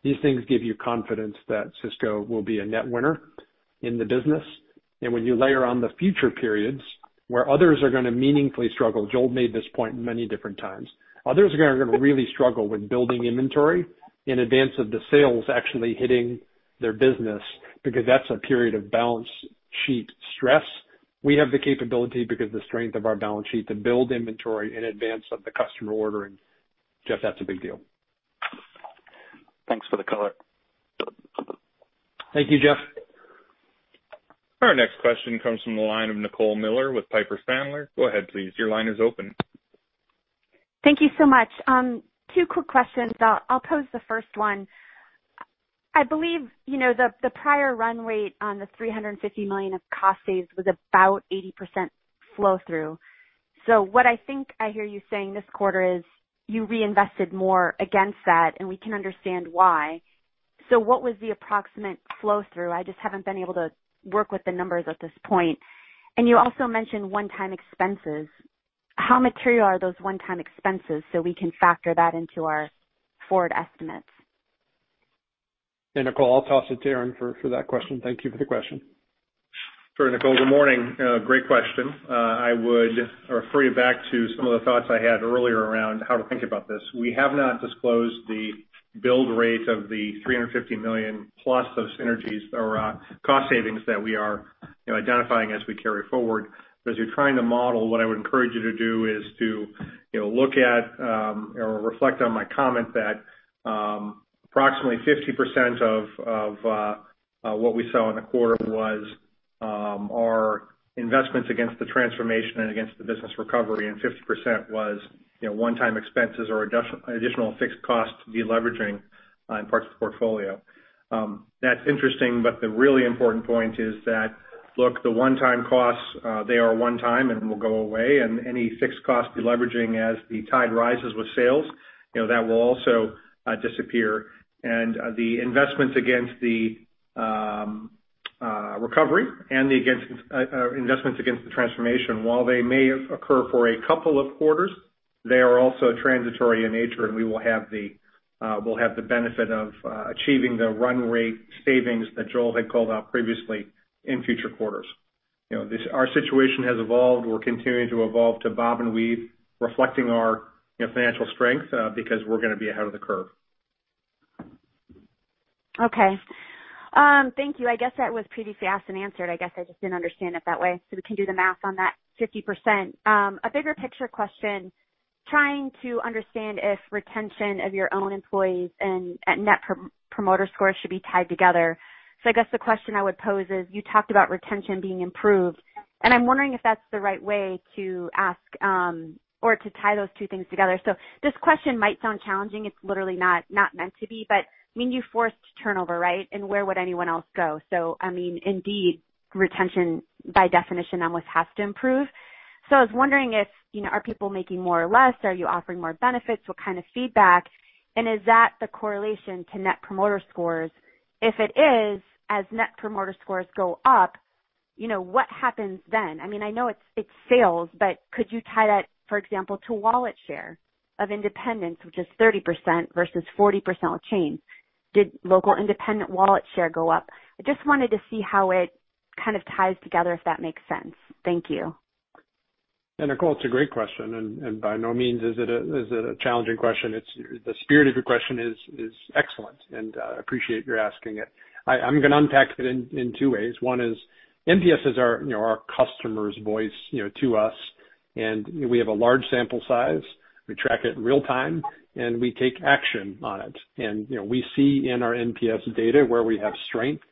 these things give you confidence that Sysco will be a net winner in the business. When you layer on the future periods where others are going to meaningfully struggle, Joel made this point many different times. Others are going to really struggle with building inventory in advance of the sales actually hitting their business, because that's a period of balance sheet stress. We have the capability because the strength of our balance sheet to build inventory in advance of the customer ordering. Jeff, that's a big deal. Thanks for the color. Thank you, Jeff. Our next question comes from the line of Nicole Miller with Piper Sandler. Go ahead, please. Your line is open. Thank you so much. Two quick questions. I'll pose the first one. I believe the prior run-rate on the $350 million of cost saves was about 80% flow through. What I think I hear you saying this quarter is you reinvested more against that, and we can understand why. What was the approximate flow through? I just haven't been able to work with the numbers at this point. You also mentioned one-time expenses. How material are those one-time expenses so we can factor that into our forward estimates? Hey, Nicole. I'll toss it to Aaron for that question. Thank you for the question. Sure, Nicole. Good morning. Great question. I would refer you back to some of the thoughts I had earlier around how to think about this. We have not disclosed the build rate of the $350 million plus those synergies or cost savings that we are identifying as we carry forward. As you're trying to model, what I would encourage you to do is to look at or reflect on my comment that approximately 50% of what we saw in the quarter was our investments against the transformation and against the business recovery, and 50% was one-time expenses or additional fixed costs de-leveraging in parts of the portfolio. That's interesting. The really important point is that, look, the one-time costs, they are one time and will go away, and any fixed cost de-leveraging as the tide rises with sales, that will also disappear. The investments against the recovery and investments against the transformation, while they may occur for a couple of quarters, they are also transitory in nature, and we'll have the benefit of achieving the run-rate savings that Joel had called out previously in future quarters. Our situation has evolved. We're continuing to evolve to bob and weave, reflecting our financial strength, because we're going to be ahead of the curve. Okay. Thank you. I guess that was pretty fast and answered. I guess I just didn't understand it that way. We can do the math on that 50%. A bigger picture question, trying to understand if retention of your own employees and at net promoter scores should be tied together. I guess the question I would pose is, you talked about retention being improved, and I'm wondering if that's the right way to ask, or to tie those two things together. This question might sound challenging. It's literally not meant to be. When you forced turnover, right? Where would anyone else go? Indeed, retention by definition almost has to improve. I was wondering if, are people making more or less? Are you offering more benefits? What kind of feedback? Is that the correlation to net promoter scores? If it is, as net promoter scores go up, what happens then? I know it's sales, but could you tie that, for example, to wallet share of independents, which is 30%, versus 40% with chain? Did local independent wallet share go up? I just wanted to see how it kind of ties together, if that makes sense. Thank you. Nicole, it's a great question, and by no means is it a challenging question. The spirit of your question is excellent, and I appreciate your asking it. I'm going to unpack it in two ways. One is, NPS is our customer's voice to us, and we have a large sample size. We track it in real time, and we take action on it. We see in our NPS data where we have strength.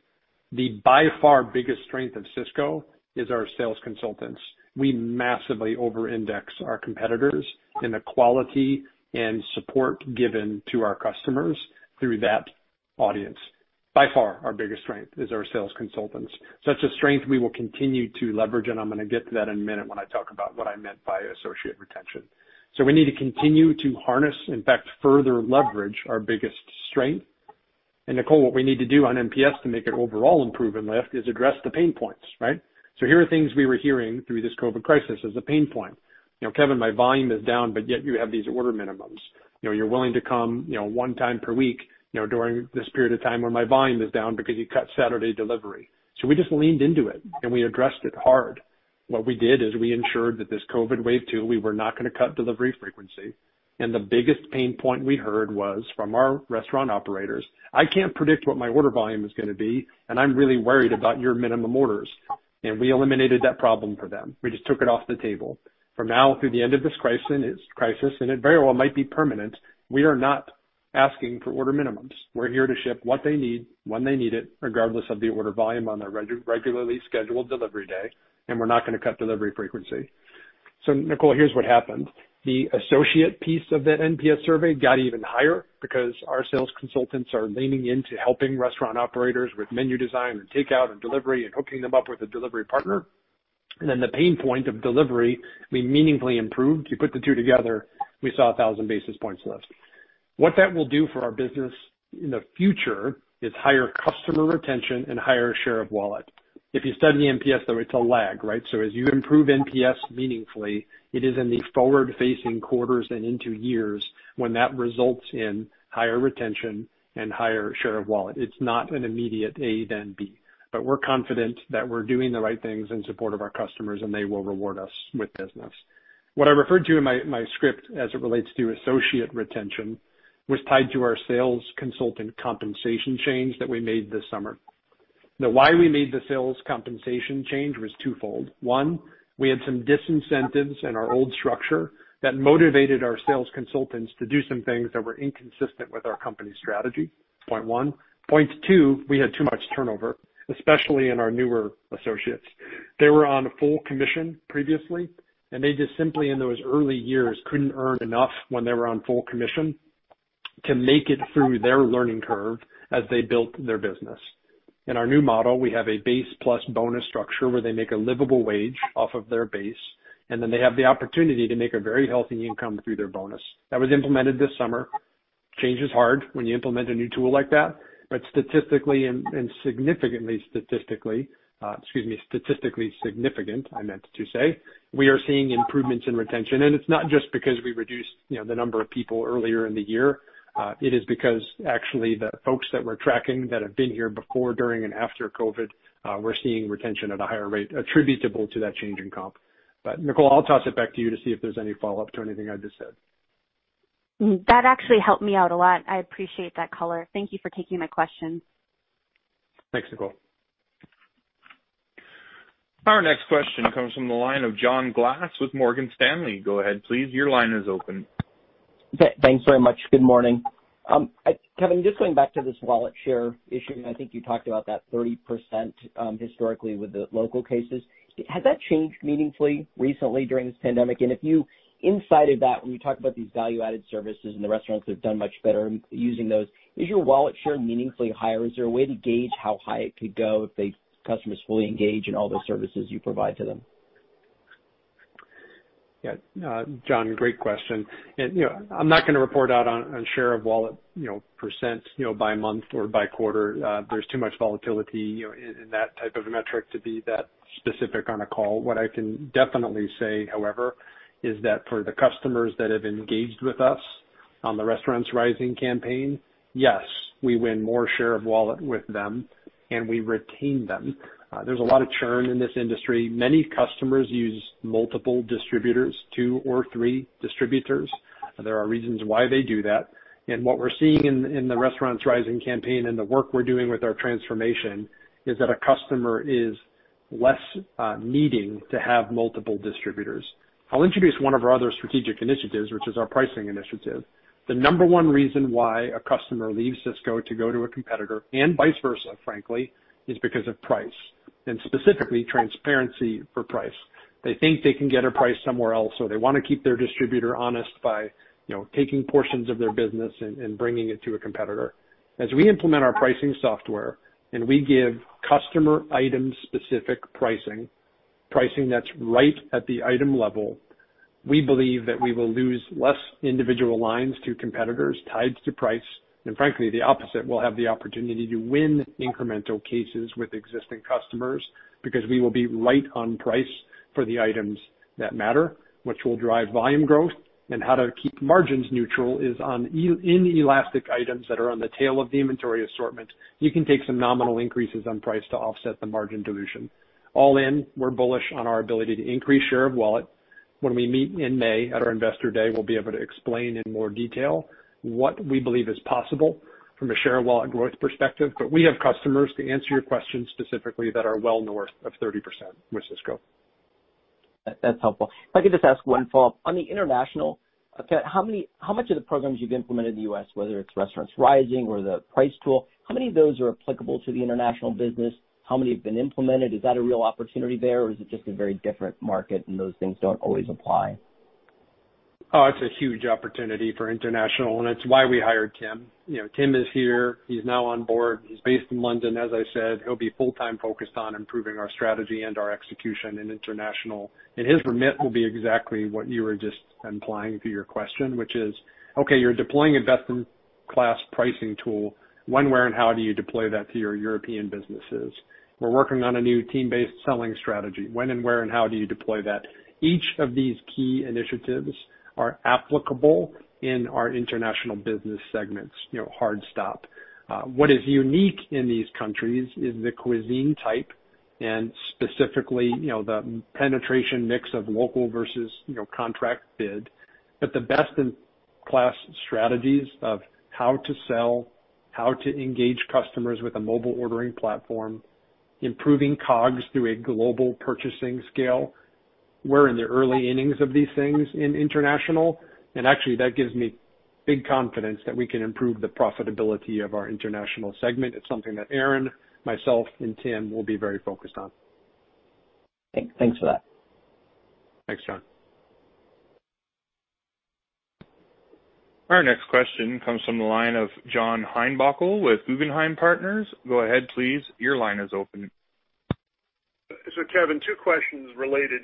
The by far biggest strength of Sysco is our sales consultants. We massively over-index our competitors in the quality and support given to our customers through that audience. By far, our biggest strength is our sales consultants. Such a strength we will continue to leverage, and I'm going to get to that in a minute when I talk about what I meant by associate retention. We need to continue to harness, in fact, further leverage our biggest strength. Nicole, what we need to do on NPS to make it overall improve and lift is address the pain points, right? Here are things we were hearing through this COVID crisis as a pain point. "Kevin, my volume is down, but yet you have these order minimums." "You're willing to come one time per week during this period of time where my volume is down because you cut Saturday delivery." We just leaned into it and we addressed it hard. What we did is we ensured that this COVID wave 2, we were not going to cut delivery frequency. The biggest pain point we heard was from our restaurant operators, "I can't predict what my order volume is going to be, and I'm really worried about your minimum orders." We eliminated that problem for them. We just took it off the table. For now through the end of this crisis, and it very well might be permanent, we are not asking for order minimums. We're here to ship what they need, when they need it, regardless of the order volume on their regularly scheduled delivery day, and we're not going to cut delivery frequency. Nicole, here's what happened. The associate piece of the NPS survey got even higher because our sales consultants are leaning into helping restaurant operators with menu design and takeout and delivery and hooking them up with a delivery partner. The pain point of delivery, we meaningfully improved. You put the two together, we saw 1,000 basis points lift. What that will do for our business in the future is higher customer retention and higher share of wallet. If you study the NPS, though, it's a lag, right? As you improve NPS meaningfully, it is in the forward-facing quarters and into years when that results in higher retention and higher share of wallet. It's not an immediate A, then B. We're confident that we're doing the right things in support of our customers, and they will reward us with business. What I referred to in my script as it relates to associate retention was tied to our sales consultant compensation change that we made this summer. Now, why we made the sales compensation change was twofold. One, we had some disincentives in our old structure that motivated our sales consultants to do some things that were inconsistent with our company strategy. Point one. Point two, we had too much turnover, especially in our newer associates. They were on a full commission previously. They just simply, in those early years, couldn't earn enough when they were on full commission to make it through their learning curve as they built their business. In our new model, we have a base plus bonus structure where they make a livable wage off of their base. They have the opportunity to make a very healthy income through their bonus. That was implemented this summer. Change is hard when you implement a new tool like that. Statistically and significantly, excuse me, statistically significant, I meant to say, we are seeing improvements in retention, and it's not just because we reduced the number of people earlier in the year. It is because actually, the folks that we're tracking that have been here before, during, and after COVID, we're seeing retention at a higher rate attributable to that change in comp. Nicole, I'll toss it back to you to see if there's any follow-up to anything I just said. That actually helped me out a lot. I appreciate that color. Thank you for taking my question. Thanks, Nicole. Our next question comes from the line of John Glass with Morgan Stanley. Go ahead, please. Your line is open. Thanks very much. Good morning. Kevin, just going back to this wallet share issue, and I think you talked about that 30% historically with the local cases. Has that changed meaningfully recently during this pandemic? Inside of that, when you talk about these value-added services and the restaurants that have done much better using those, is your wallet share meaningfully higher? Is there a way to gauge how high it could go if the customers fully engage in all the services you provide to them? Yeah. John, great question. I'm not going to report out on share of wallet percent by month or by quarter. There's too much volatility in that type of a metric to be that specific on a call. What I can definitely say, however, is that for the customers that have engaged with us on the Restaurants Rising campaign, yes, we win more share of wallet with them and we retain them. There's a lot of churn in this industry. Many customers use multiple distributors, two or three distributors. There are reasons why they do that. What we're seeing in the Restaurants Rising campaign and the work we're doing with our transformation is that a customer is less needing to have multiple distributors. I'll introduce one of our other strategic initiatives, which is our pricing initiative. The number one reason why a customer leaves Sysco to go to a competitor, and vice versa, frankly, is because of price, and specifically transparency for price. They think they can get a price somewhere else, so they want to keep their distributor honest by taking portions of their business and bringing it to a competitor. As we implement our pricing software and we give customer item specific pricing that's right at the item level, we believe that we will lose less individual lines to competitors tied to price. Frankly, the opposite, we'll have the opportunity to win incremental cases with existing customers because we will be right on price for the items that matter, which will drive volume growth. How to keep margins neutral is on inelastic items that are on the tail of the inventory assortment. You can take some nominal increases on price to offset the margin dilution. All in, we're bullish on our ability to increase share of wallet. When we meet in May at our Investor Day, we'll be able to explain in more detail what we believe is possible from a share wallet growth perspective. We have customers, to answer your question specifically, that are well north of 30% with Sysco. That's helpful. If I could just ask one follow-up. On the international, how much of the programs you've implemented in the U.S., whether it's Restaurants Rising or the price tool, how many of those are applicable to the international business? How many have been implemented? Is that a real opportunity there, or is it just a very different market and those things don't always apply? It's a huge opportunity for international, it's why we hired Tim. Tim is here. He's now on board. He's based in London, as I said. He'll be full-time focused on improving our strategy and our execution in international. His remit will be exactly what you were just implying through your question, which is, okay, you're deploying investment class pricing tool. When, where, and how do you deploy that to your European businesses? We're working on a new team-based selling strategy. When and where and how do you deploy that? Each of these key initiatives are applicable in our international business segments, hard stop. What is unique in these countries is the cuisine type and specifically, the penetration mix of local versus contract bid. The best-in-class strategies of how to sell, how to engage customers with a mobile ordering platform, improving COGS through a global purchasing scale. We're in the early innings of these things in international, actually, that gives me big confidence that we can improve the profitability of our international segment. It's something that Aaron, myself, and Tim will be very focused on. Thanks for that. Thanks, John. Our next question comes from the line of John Heinbockel with Guggenheim Partners. Go ahead, please. Your line is open. Kevin, two questions related.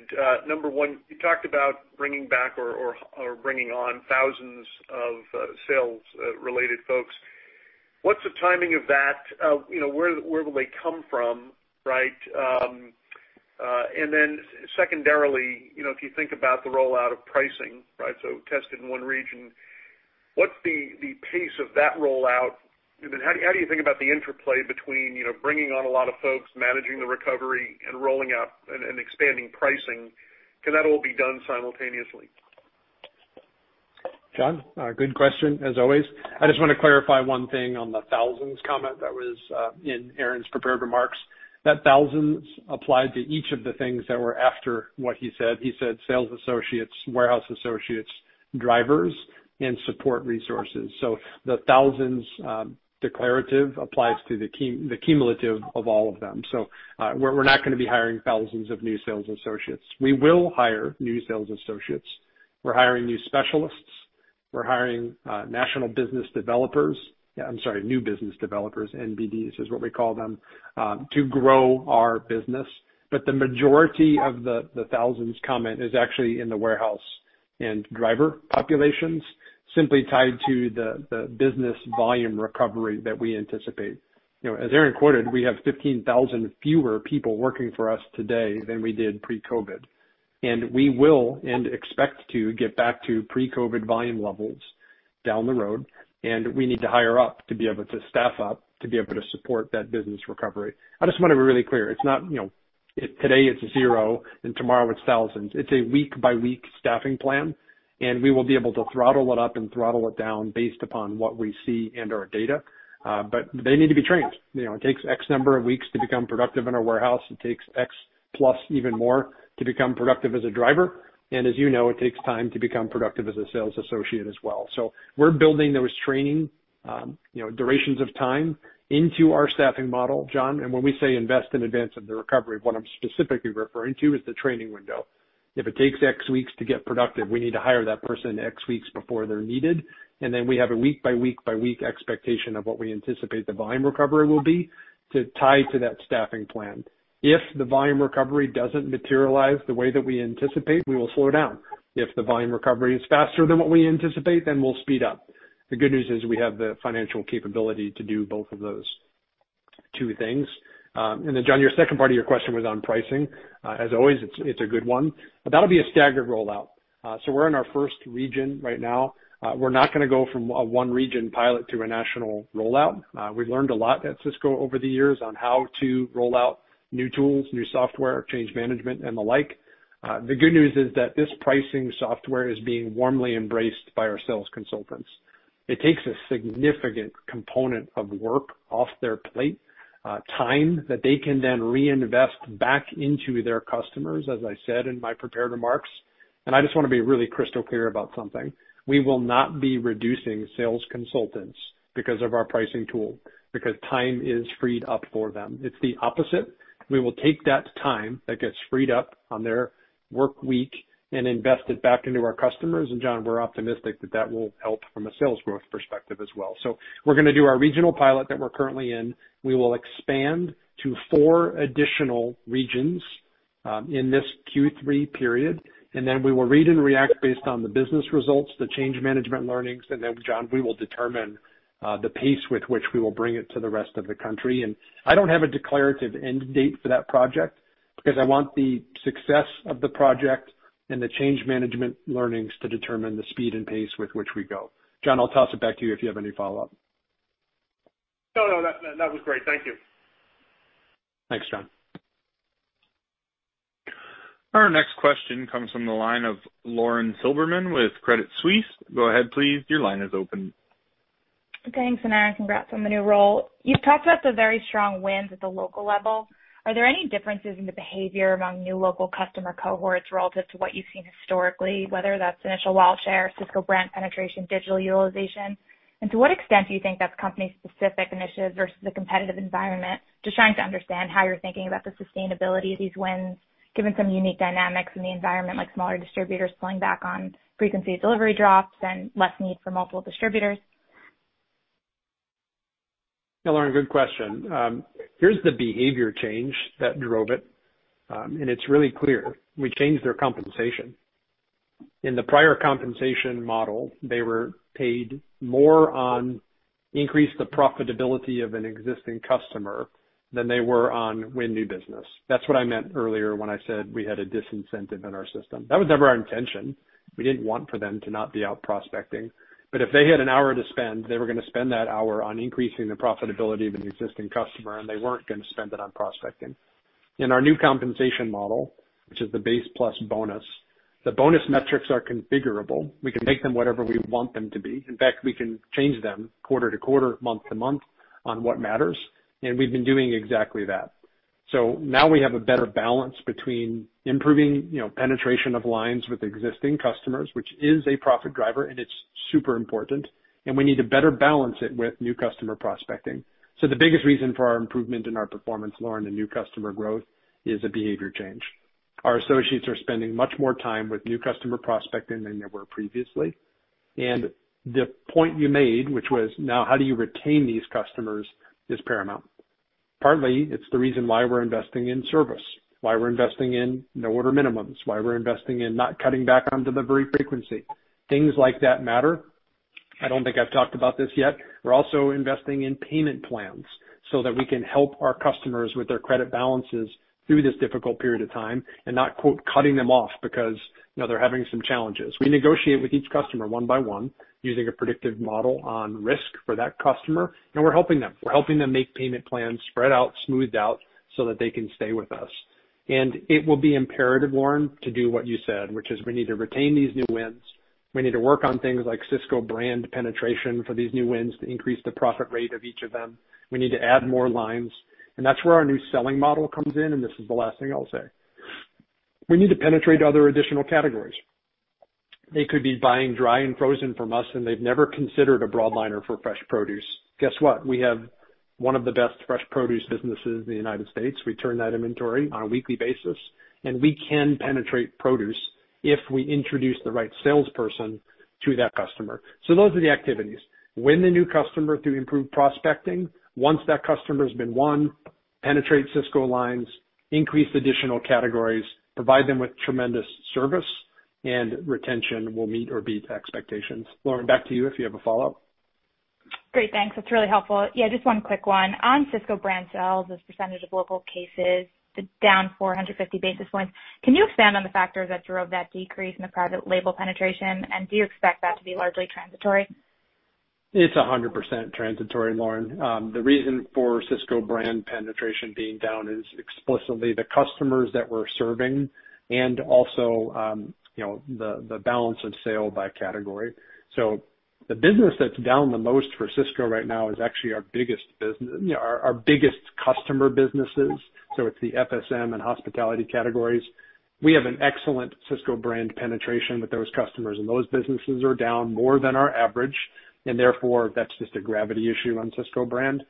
Number one, you talked about bringing back or bringing on thousands of sales related folks. What's the timing of that? Where will they come from? Secondarily, if you think about the rollout of pricing, so tested in one region, what's the pace of that rollout? How do you think about the interplay between bringing on a lot of folks, managing the recovery, and rolling out and expanding pricing? Can that all be done simultaneously? John, good question as always. I just want to clarify one thing on the thousands comment that was in Aaron's prepared remarks. That thousands applied to each of the things that were after what he said. He said sales associates, warehouse associates, drivers, and support resources. The thousands declarative applies to the cumulative of all of them. We're not going to be hiring thousands of new sales associates. We will hire new sales associates. We're hiring new specialists. We're hiring national business developers. I'm sorry, new business developers, NBDs is what we call them, to grow our business. The majority of the thousands comment is actually in the warehouse and driver populations, simply tied to the business volume recovery that we anticipate. As Aaron quoted, we have 15,000 fewer people working for us today than we did pre-COVID. We will, and expect to, get back to pre-COVID volume levels down the road, and we need to hire up to be able to staff up to be able to support that business recovery. I just want to be really clear. It's not today it's zero and tomorrow it's thousands. It's a week by week staffing plan, and we will be able to throttle it up and throttle it down based upon what we see in our data. They need to be trained. It takes X number of weeks to become productive in our warehouse. It takes X plus even more to become productive as a driver. As you know, it takes time to become productive as a sales associate as well. We're building those training durations of time into our staffing model, John. When we say invest in advance of the recovery, what I'm specifically referring to is the training window. If it takes X weeks to get productive, we need to hire that person X weeks before they're needed. Then we have a week by week by week expectation of what we anticipate the volume recovery will be to tie to that staffing plan. If the volume recovery doesn't materialize the way that we anticipate, we will slow down. If the volume recovery is faster than what we anticipate, then we'll speed up. The good news is we have the financial capability to do both of those. Two things. Then John, your second part of your question was on pricing. As always, it's a good one. That'll be a staggered rollout. We're in our first region right now. We're not going to go from a one-region pilot to a national rollout. We've learned a lot at Sysco over the years on how to roll out new tools, new software, change management and the like. The good news is that this pricing software is being warmly embraced by our sales consultants. It takes a significant component of work off their plate, time that they can then reinvest back into their customers, as I said in my prepared remarks. I just want to be really crystal clear about something. We will not be reducing sales consultants because of our pricing tool, because time is freed up for them. It's the opposite. We will take that time that gets freed up on their work week and invest it back into our customers. John, we're optimistic that that will help from a sales growth perspective as well. We're going to do our regional pilot that we're currently in. We will expand to four additional regions in this Q3 period, and then we will read and react based on the business results, the change management learnings, and then, John, we will determine the pace with which we will bring it to the rest of the country. I don't have a declarative end date for that project because I want the success of the project and the change management learnings to determine the speed and pace with which we go. John, I'll toss it back to you if you have any follow-up. No, that was great. Thank you. Thanks, John. Our next question comes from the line of Lauren Silberman with Credit Suisse. Go ahead, please. Thanks, Aaron, congrats on the new role. You've talked about the very strong wins at the local level. Are there any differences in the behavior among new local customer cohorts relative to what you've seen historically, whether that's initial wallet share, Sysco brand penetration, digital utilization? To what extent do you think that's company specific initiatives versus the competitive environment? Just trying to understand how you're thinking about the sustainability of these wins, given some unique dynamics in the environment, like smaller distributors pulling back on frequency delivery drops and less need for multiple distributors. Hey, Lauren, good question. Here's the behavior change that drove it, and it's really clear. We changed their compensation. In the prior compensation model, they were paid more on increase the profitability of an existing customer than they were on win new business. That's what I meant earlier when I said we had a disincentive in our system. That was never our intention. We didn't want for them to not be out prospecting, but if they had an hour to spend, they were going to spend that hour on increasing the profitability of an existing customer, and they weren't going to spend it on prospecting. In our new compensation model, which is the base plus bonus, the bonus metrics are configurable. We can make them whatever we want them to be. In fact, we can change them quarter-to-quarter, month to month on what matters. We've been doing exactly that. Now we have a better balance between improving penetration of lines with existing customers, which is a profit driver, and it's super important, and we need to better balance it with new customer prospecting. The biggest reason for our improvement in our performance, Lauren, in new customer growth is a behavior change. Our associates are spending much more time with new customer prospecting than they were previously. The point you made, which was now how do you retain these customers, is paramount. Partly, it's the reason why we're investing in service, why we're investing in no order minimums, why we're investing in not cutting back on delivery frequency. Things like that matter. I don't think I've talked about this yet. We're also investing in payment plans so that we can help our customers with their credit balances through this difficult period of time and not, quote, "cutting them off," because they're having some challenges. We negotiate with each customer one by one using a predictive model on risk for that customer, and we're helping them. We're helping them make payment plans spread out, smoothed out so that they can stay with us. It will be imperative, Lauren, to do what you said, which is we need to retain these new wins. We need to work on things like Sysco brand penetration for these new wins to increase the profit rate of each of them. We need to add more lines, and that's where our new selling model comes in, and this is the last thing I'll say. We need to penetrate other additional categories. They could be buying dry and frozen from us, and they've never considered a broadliner for fresh produce. Guess what? We have one of the best fresh produce businesses in the U.S. We turn that inventory on a weekly basis, and we can penetrate produce if we introduce the right salesperson to that customer. Those are the activities. Win the new customer through improved prospecting. Once that customer's been won, penetrate Sysco lines, increase additional categories, provide them with tremendous service, and retention will meet or beat expectations. Lauren, back to you if you have a follow-up. Great. Thanks. That's really helpful. Just one quick one. On Sysco brand sales as percentage of local cases, down 450 basis points. Can you expand on the factors that drove that decrease in the private label penetration, and do you expect that to be largely transitory? It's 100% transitory, Lauren. The reason for Sysco brand penetration being down is explicitly the customers that we're serving and also the balance of sale by category. The business that's down the most for Sysco right now is actually our biggest customer businesses. It's the FSM and hospitality categories. We have an excellent Sysco brand penetration with those customers, and those businesses are down more than our average, and therefore, that's just a gravity issue on Sysco brand.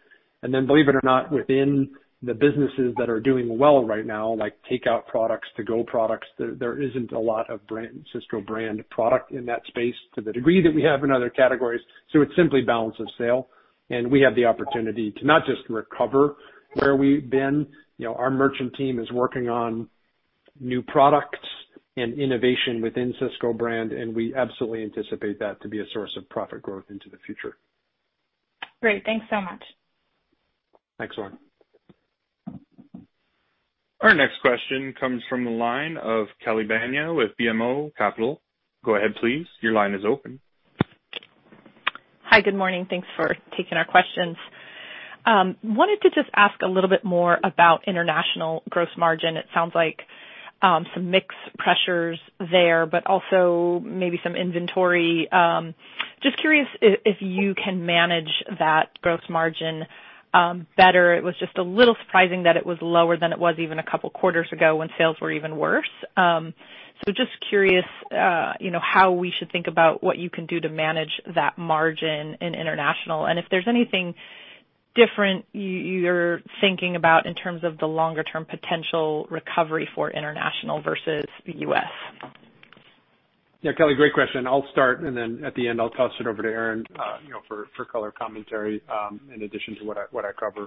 Believe it or not, within the businesses that are doing well right now, like takeout products, to-go products, there isn't a lot of Sysco brand product in that space to the degree that we have in other categories. It's simply balance of sale, and we have the opportunity to not just recover where we've been. Our merchant team is working on new products and innovation within Sysco brand, and we absolutely anticipate that to be a source of profit growth into the future. Great. Thanks so much. Thanks, Lauren. Our next question comes from the line of Kelly Bania with BMO Capital. Go ahead, please. Hi. Good morning. Thanks for taking our questions. Wanted to just ask a little bit more about international gross margin. It sounds like some mix pressures there, but also maybe some inventory. Just curious if you can manage that gross margin better. It was just a little surprising that it was lower than it was even a couple of quarters ago when sales were even worse. Just curious, how we should think about what you can do to manage that margin in international, and if there's anything different you're thinking about in terms of the longer-term potential recovery for international versus the U.S. Yeah, Kelly, great question. I'll start and then at the end, I'll toss it over to Aaron for color commentary, in addition to what I cover.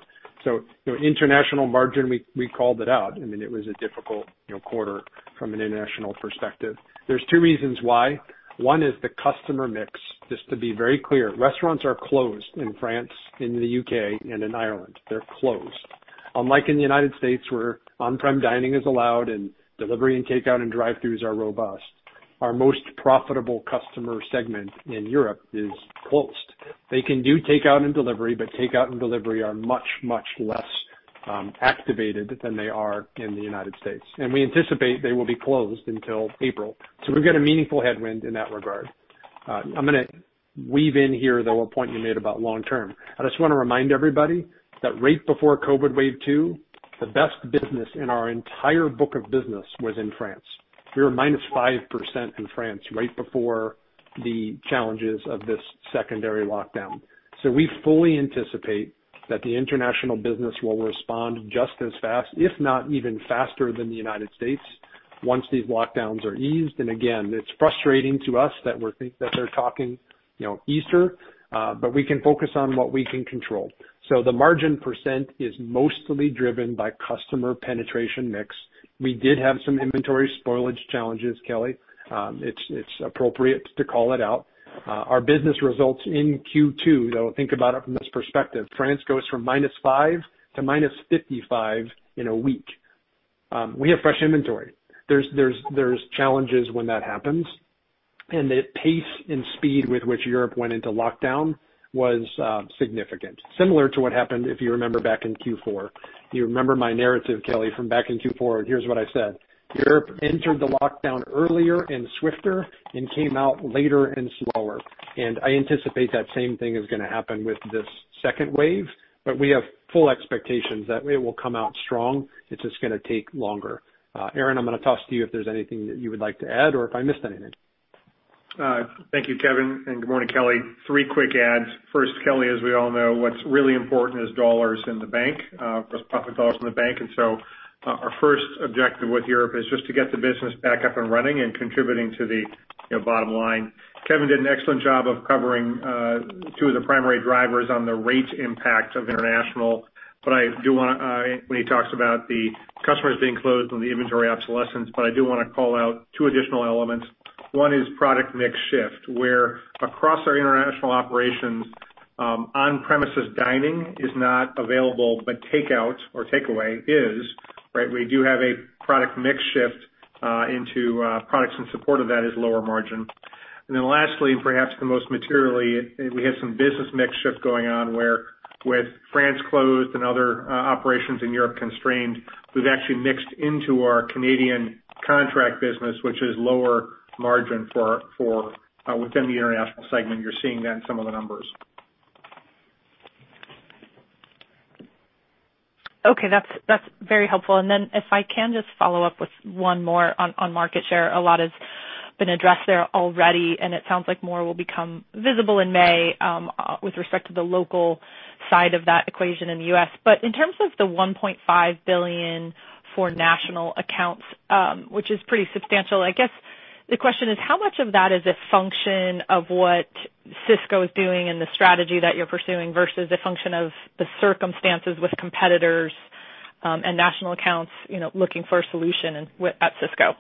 International margin, we called it out. I mean, it was a difficult quarter from an international perspective. There's two reasons why. One is the customer mix. Just to be very clear, restaurants are closed in France, in the U.K., and in Ireland. They're closed. Unlike in the United States, where on-prem dining is allowed and delivery and takeout and drive-throughs are robust, our most profitable customer segment in Europe is closed. They can do takeout and delivery, but takeout and delivery are much, much less activated than they are in the United States. We anticipate they will be closed until April. We've got a meaningful headwind in that regard. I'm gonna weave in here, though, a point you made about long term. I just want to remind everybody that right before COVID wave 2, the best business in our entire book of business was in France. We were -5% in France right before the challenges of this secondary lockdown. We fully anticipate that the international business will respond just as fast, if not even faster than the United States once these lockdowns are eased. Again, it's frustrating to us that they're talking Easter, but we can focus on what we can control. The margin percent is mostly driven by customer penetration mix. We did have some inventory spoilage challenges, Kelly. It's appropriate to call it out. Our business results in Q2, though, think about it from this perspective. France goes from -5 to -55 in a week. We have fresh inventory. There's challenges when that happens, and the pace and speed with which Europe went into lockdown was significant. Similar to what happened, if you remember back in Q4. You remember my narrative, Kelly Bania, from back in Q4, and here's what I said. "Europe entered the lockdown earlier and swifter and came out later and slower." I anticipate that same thing is gonna happen with this second wave, but we have full expectations that we will come out strong. It's just gonna take longer. Aaron Alt, I'm gonna toss to you if there's anything that you would like to add or if I missed anything. Thank you, Kevin, and good morning, Kelly. Three quick adds. First, Kelly, as we all know, what's really important is dollars in the bank. Of course, profit dollars in the bank. Our first objective with Europe is just to get the business back up and running and contributing to the bottom line. Kevin did an excellent job of covering two of the primary drivers on the rate impact of international. When he talks about the customers being closed and the inventory obsolescence, I do want to call out two additional elements. One is product mix shift, where across our international operations, on-premises dining is not available, but takeout or takeaway is, right? We do have a product mix shift into products in support of that as lower margin. Lastly, and perhaps the most materially, we have some business mix shift going on where with France closed and other operations in Europe constrained, we've actually mixed into our Canadian contract business, which is lower margin within the international segment. You're seeing that in some of the numbers. Okay, that's very helpful. If I can just follow up with one more on market share. A lot has been addressed there already, and it sounds like more will become visible in May with respect to the local side of that equation in the U.S. In terms of the $1.5 billion for national accounts, which is pretty substantial, I guess, the question is how much of that is a function of what Sysco is doing and the strategy that you're pursuing versus a function of the circumstances with competitors and national accounts looking for a solution at Sysco?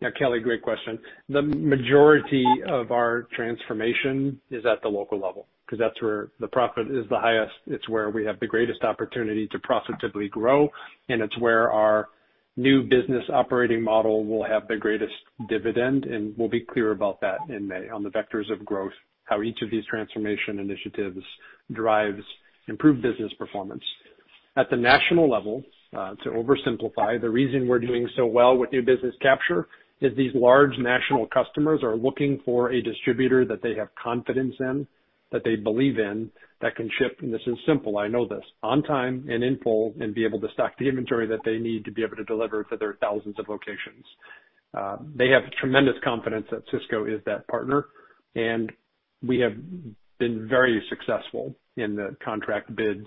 Yeah, Kelly, great question. The majority of our transformation is at the local level because that's where the profit is the highest, it's where we have the greatest opportunity to profitably grow, and it's where our new business operating model will have the greatest dividend, and we'll be clear about that in May on the vectors of growth, how each of these transformation initiatives drives improved business performance. At the national level, to oversimplify, the reason we're doing so well with new business capture is these large national customers are looking for a distributor that they have confidence in, that they believe in, that can ship, and this is simple, I know this, on time and in full and be able to stock the inventory that they need to be able to deliver to their thousands of locations. They have tremendous confidence that Sysco is that partner. We have been very successful in the contract bids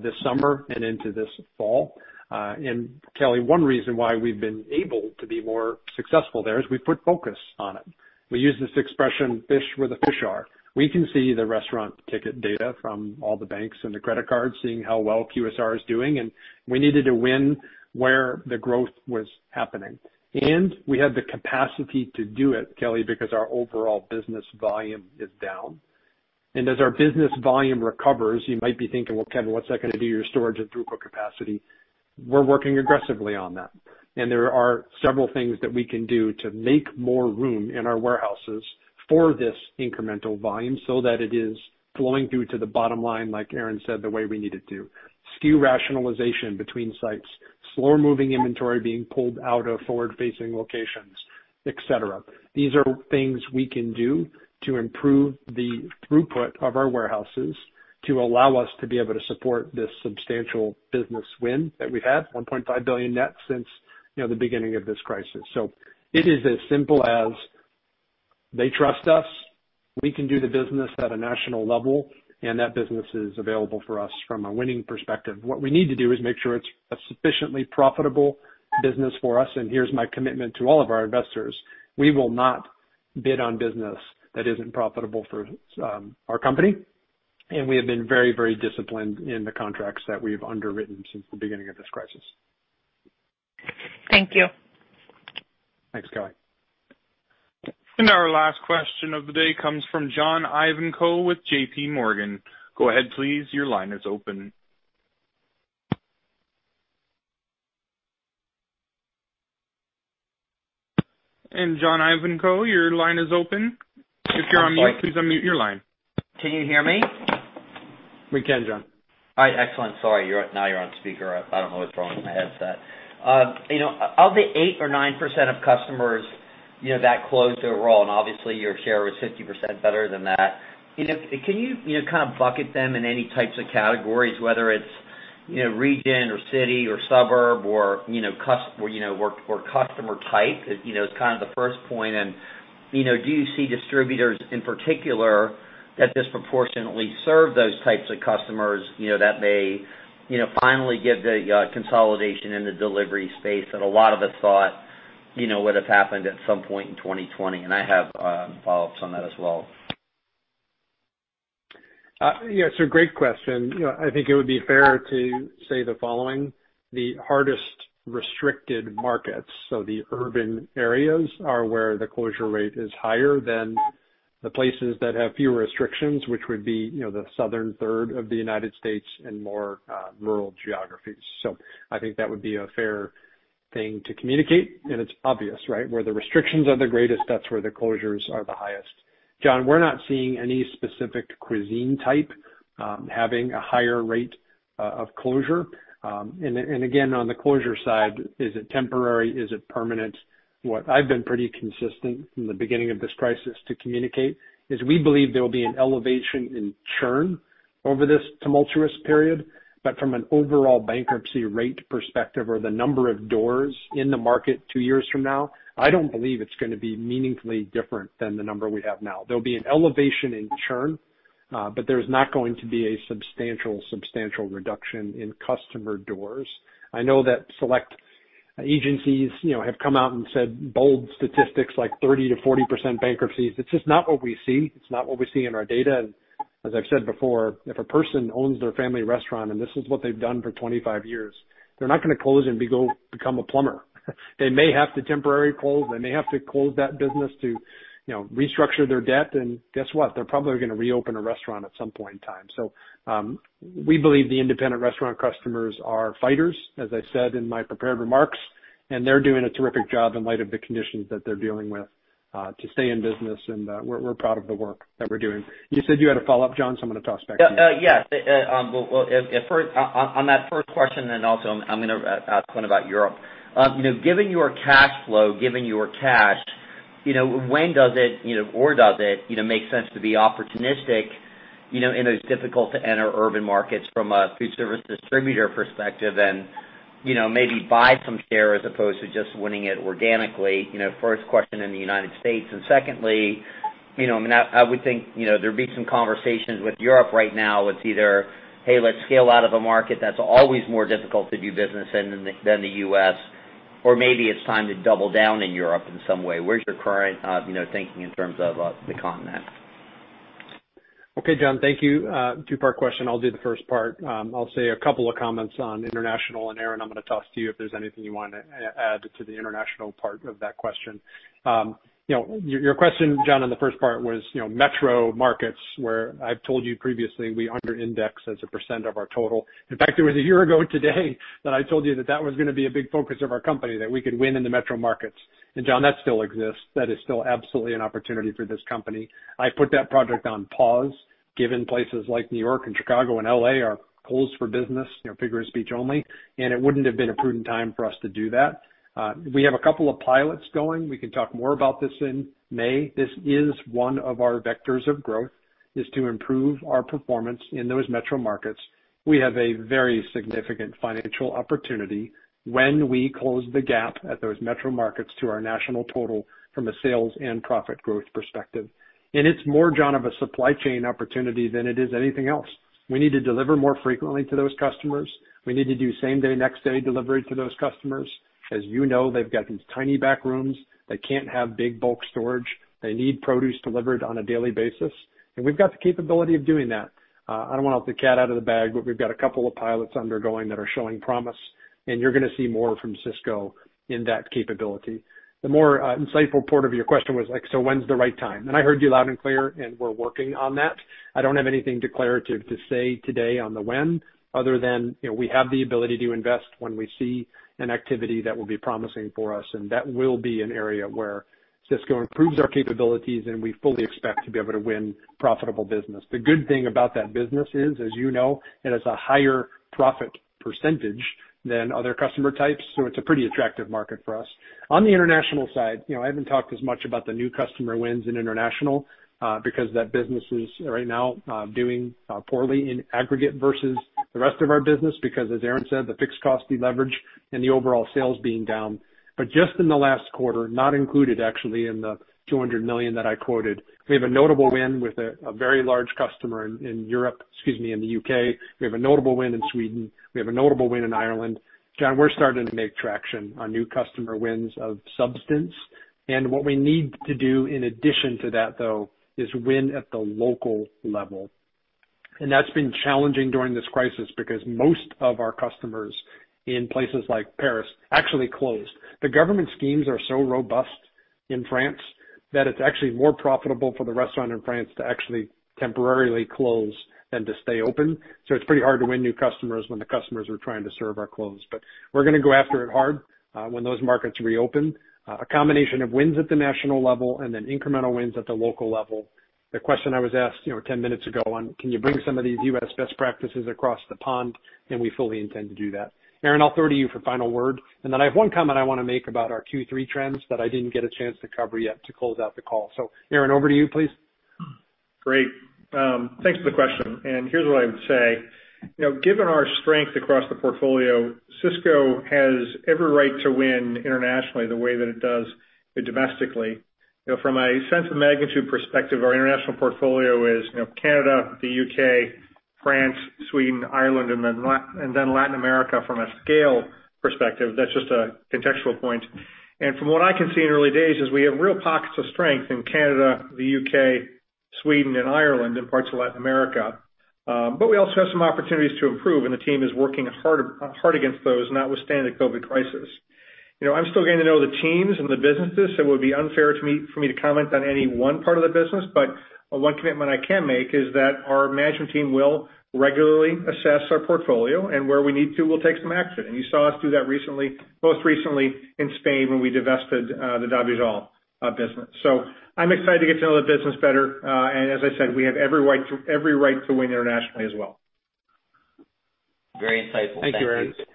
this summer and into this fall. Kelly, one reason why we've been able to be more successful there is we put focus on it. We use this expression, fish where the fish are. We can see the restaurant ticket data from all the banks and the credit cards, seeing how well QSR is doing. We needed to win where the growth was happening. We had the capacity to do it, Kelly, because our overall business volume is down. As our business volume recovers, you might be thinking, well, Kevin, what's that going to do to your storage and throughput capacity? We're working aggressively on that, there are several things that we can do to make more room in our warehouses for this incremental volume so that it is flowing through to the bottom line, like Aaron said, the way we need it to. SKU rationalization between sites, slow-moving inventory being pulled out of forward-facing locations, et cetera. These are things we can do to improve the throughput of our warehouses to allow us to be able to support this substantial business win that we've had, $1.5 billion net since the beginning of this crisis. It is as simple as they trust us, we can do the business at a national level, and that business is available for us from a winning perspective. What we need to do is make sure it's a sufficiently profitable business for us, and here's my commitment to all of our investors. We will not bid on business that isn't profitable for our company, and we have been very disciplined in the contracts that we've underwritten since the beginning of this crisis. Thank you. Thanks, Kelly. Our last question of the day comes from John Ivankoe with JPMorgan. John Ivankoe, your line is open. Can you hear me? We can, John. All right, excellent. Sorry. Now you're on speaker. I don't know what's wrong with my headset. Of the 8% or 9% of customers that closed overall, and obviously your share was 50% better than that, can you kind of bucket them in any types of categories, whether it's region or city or suburb or customer type, as kind of the first point? Do you see distributors in particular that disproportionately serve those types of customers, that may finally give the consolidation in the delivery space that a lot of us thought would have happened at some point in 2020? I have follow-ups on that as well. Yeah, it's a great question. I think it would be fair to say the following. The hardest restricted markets, so the urban areas, are where the closure rate is higher than the places that have fewer restrictions, which would be the southern third of the U.S. and more rural geographies. I think that would be a fair thing to communicate, and it's obvious, right? Where the restrictions are the greatest, that's where the closures are the highest. John, we're not seeing any specific cuisine type having a higher rate of closure. Again, on the closure side, is it temporary? Is it permanent? What I've been pretty consistent from the beginning of this crisis to communicate is we believe there will be an elevation in churn over this tumultuous period. From an overall bankruptcy rate perspective or the number of doors in the market two years from now, I don't believe it's going to be meaningfully different than the number we have now. There'll be an elevation in churn, but there's not going to be a substantial reduction in customer doors. I know that select agencies have come out and said bold statistics like 30%-40% bankruptcies. It's just not what we see. It's not what we see in our data. As I've said before, if a person owns their family restaurant and this is what they've done for 25 years, they're not going to close and become a plumber. They may have to temporarily close. They may have to close that business to restructure their debt, and guess what? They're probably going to reopen a restaurant at some point in time. We believe the independent restaurant customers are fighters, as I said in my prepared remarks, and they're doing a terrific job in light of the conditions that they're dealing with to stay in business. We're proud of the work that we're doing. You said you had a follow-up, John, I'm going to toss back to you. Yes. On that first question, also I'm going to ask one about Europe. Given your cash flow, given your cash, when does it, or does it, make sense to be opportunistic in those difficult-to-enter urban markets from a foodservice distributor perspective and maybe buy some share as opposed to just winning it organically? First question in the U.S. Secondly, I would think there'd be some conversations with Europe right now. It's either, hey, let's scale out of a market that's always more difficult to do business in than the U.S., or maybe it's time to double down in Europe in some way. Where's your current thinking in terms of the continent? Okay, John. Thank you. Two-part question. I'll do the first part. I'll say a couple of comments on international. Aaron, I'm going to toss to you if there's anything you want to add to the international part of that question. Your question, John, on the first part was metro markets, where I've told you previously, we under-index as a percent of our total. In fact, it was a year ago today that I told you that that was going to be a big focus of our company, that we could win in the metro markets. John, that still exists. That is still absolutely an opportunity for this company. I put that project on pause given places like New York and Chicago and L.A. are closed for business, figure of speech only. It wouldn't have been a prudent time for us to do that. We have a couple of pilots going. We can talk more about this in May. This is one of our vectors of growth is to improve our performance in those metro markets. We have a very significant financial opportunity when we close the gap at those metro markets to our national total from a sales and profit growth perspective. It's more, John, of a supply chain opportunity than it is anything else. We need to deliver more frequently to those customers. We need to do same day, next day delivery to those customers. As you know, they've got these tiny back rooms. They can't have big bulk storage. They need produce delivered on a daily basis, and we've got the capability of doing that. I don't want to let the cat out of the bag, but we've got a couple of pilots undergoing that are showing promise, and you're going to see more from Sysco in that capability. The more insightful part of your question was like, so when's the right time? I heard you loud and clear, and we're working on that. I don't have anything declarative to say today on the when, other than we have the ability to invest when we see an activity that will be promising for us, and that will be an area where Sysco improves our capabilities, and we fully expect to be able to win profitable business. The good thing about that business is, as you know, it has a higher profit % than other customer types, so it's a pretty attractive market for us. On the international side, I haven't talked as much about the new customer wins in international, because that business is right now doing poorly in aggregate versus the rest of our business because, as Aaron said, the fixed cost deleverage and the overall sales being down. Just in the last quarter, not included actually in the $200 million that I quoted, we have a notable win with a very large customer in Europe, excuse me, in the U.K. We have a notable win in Sweden. We have a notable win in Ireland. John, we're starting to make traction on new customer wins of substance, what we need to do in addition to that, though, is win at the local level. That's been challenging during this crisis because most of our customers in places like Paris actually closed. The government schemes are so robust in France that it's actually more profitable for the restaurant in France to actually temporarily close than to stay open. It's pretty hard to win new customers when the customers we're trying to serve are closed. We're going to go after it hard when those markets reopen. A combination of wins at the national level and then incremental wins at the local level. The question I was asked 10 minutes ago on can you bring some of these U.S. best practices across the pond? We fully intend to do that. Aaron, I'll throw it to you for final word, and then I have one comment I want to make about our Q3 trends that I didn't get a chance to cover yet to close out the call. Aaron, over to you, please. Great. Thanks for the question. Here's what I would say. Given our strength across the portfolio, Sysco has every right to win internationally the way that it does domestically. From a sense of magnitude perspective, our international portfolio is Canada, the U.K., France, Sweden, Ireland, and then Latin America from a scale perspective. That's just a contextual point. From what I can see in early days is we have real pockets of strength in Canada, the U.K., Sweden, and Ireland, and parts of Latin America. We also have some opportunities to improve, and the team is working hard against those, notwithstanding the COVID crisis. I'm still getting to know the teams and the businesses, so it would be unfair for me to comment on any one part of the business. One commitment I can make is that our management team will regularly assess our portfolio and where we need to, we'll take some action. You saw us do that most recently in Spain when we divested the Davigel business. I'm excited to get to know the business better. As I said, we have every right to win internationally as well. Very insightful. Thank you. Thank you,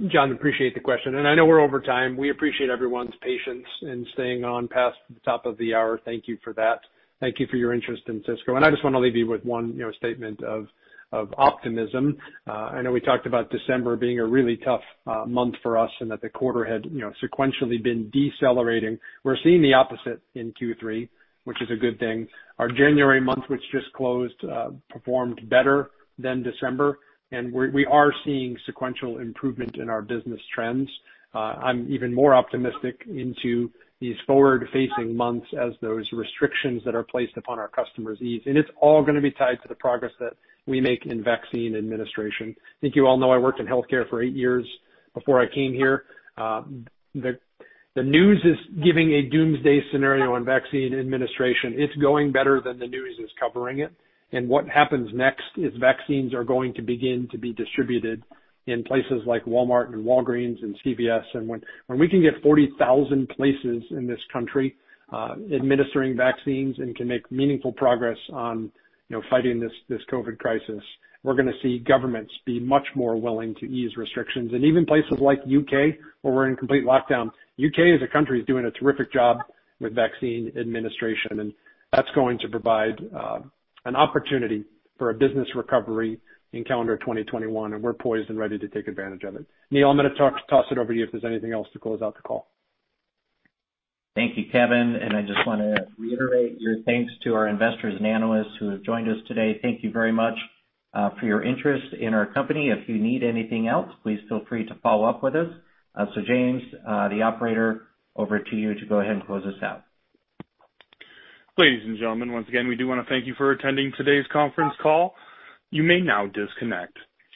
Aaron. John, appreciate the question. I know we're over time. We appreciate everyone's patience in staying on past the top of the hour. Thank you for that. Thank you for your interest in Sysco. I just want to leave you with one statement of optimism. I know we talked about December being a really tough month for us and that the quarter had sequentially been decelerating. We're seeing the opposite in Q3, which is a good thing. Our January month, which just closed, performed better than December, and we are seeing sequential improvement in our business trends. I'm even more optimistic into these forward-facing months as those restrictions that are placed upon our customers ease. It's all going to be tied to the progress that we make in vaccine administration. I think you all know I worked in healthcare for eight years before I came here. The news is giving a doomsday scenario on vaccine administration. It's going better than the news is covering it. What happens next is vaccines are going to begin to be distributed in places like Walmart and Walgreens and CVS. When we can get 40,000 places in this country administering vaccines and can make meaningful progress on fighting this COVID crisis, we're going to see governments be much more willing to ease restrictions. Even places like U.K., where we're in complete lockdown, U.K. as a country is doing a terrific job with vaccine administration, and that's going to provide an opportunity for a business recovery in calendar 2021, and we're poised and ready to take advantage of it. Neil, I'm going to toss it over to you if there's anything else to close out the call. Thank you, Kevin. I just want to reiterate your thanks to our investors and analysts who have joined us today. Thank you very much for your interest in our company. If you need anything else, please feel free to follow up with us. James, the operator, over to you to go ahead and close us out. Ladies and gentlemen, once again, we do want to thank you for attending today's conference call. You may now disconnect.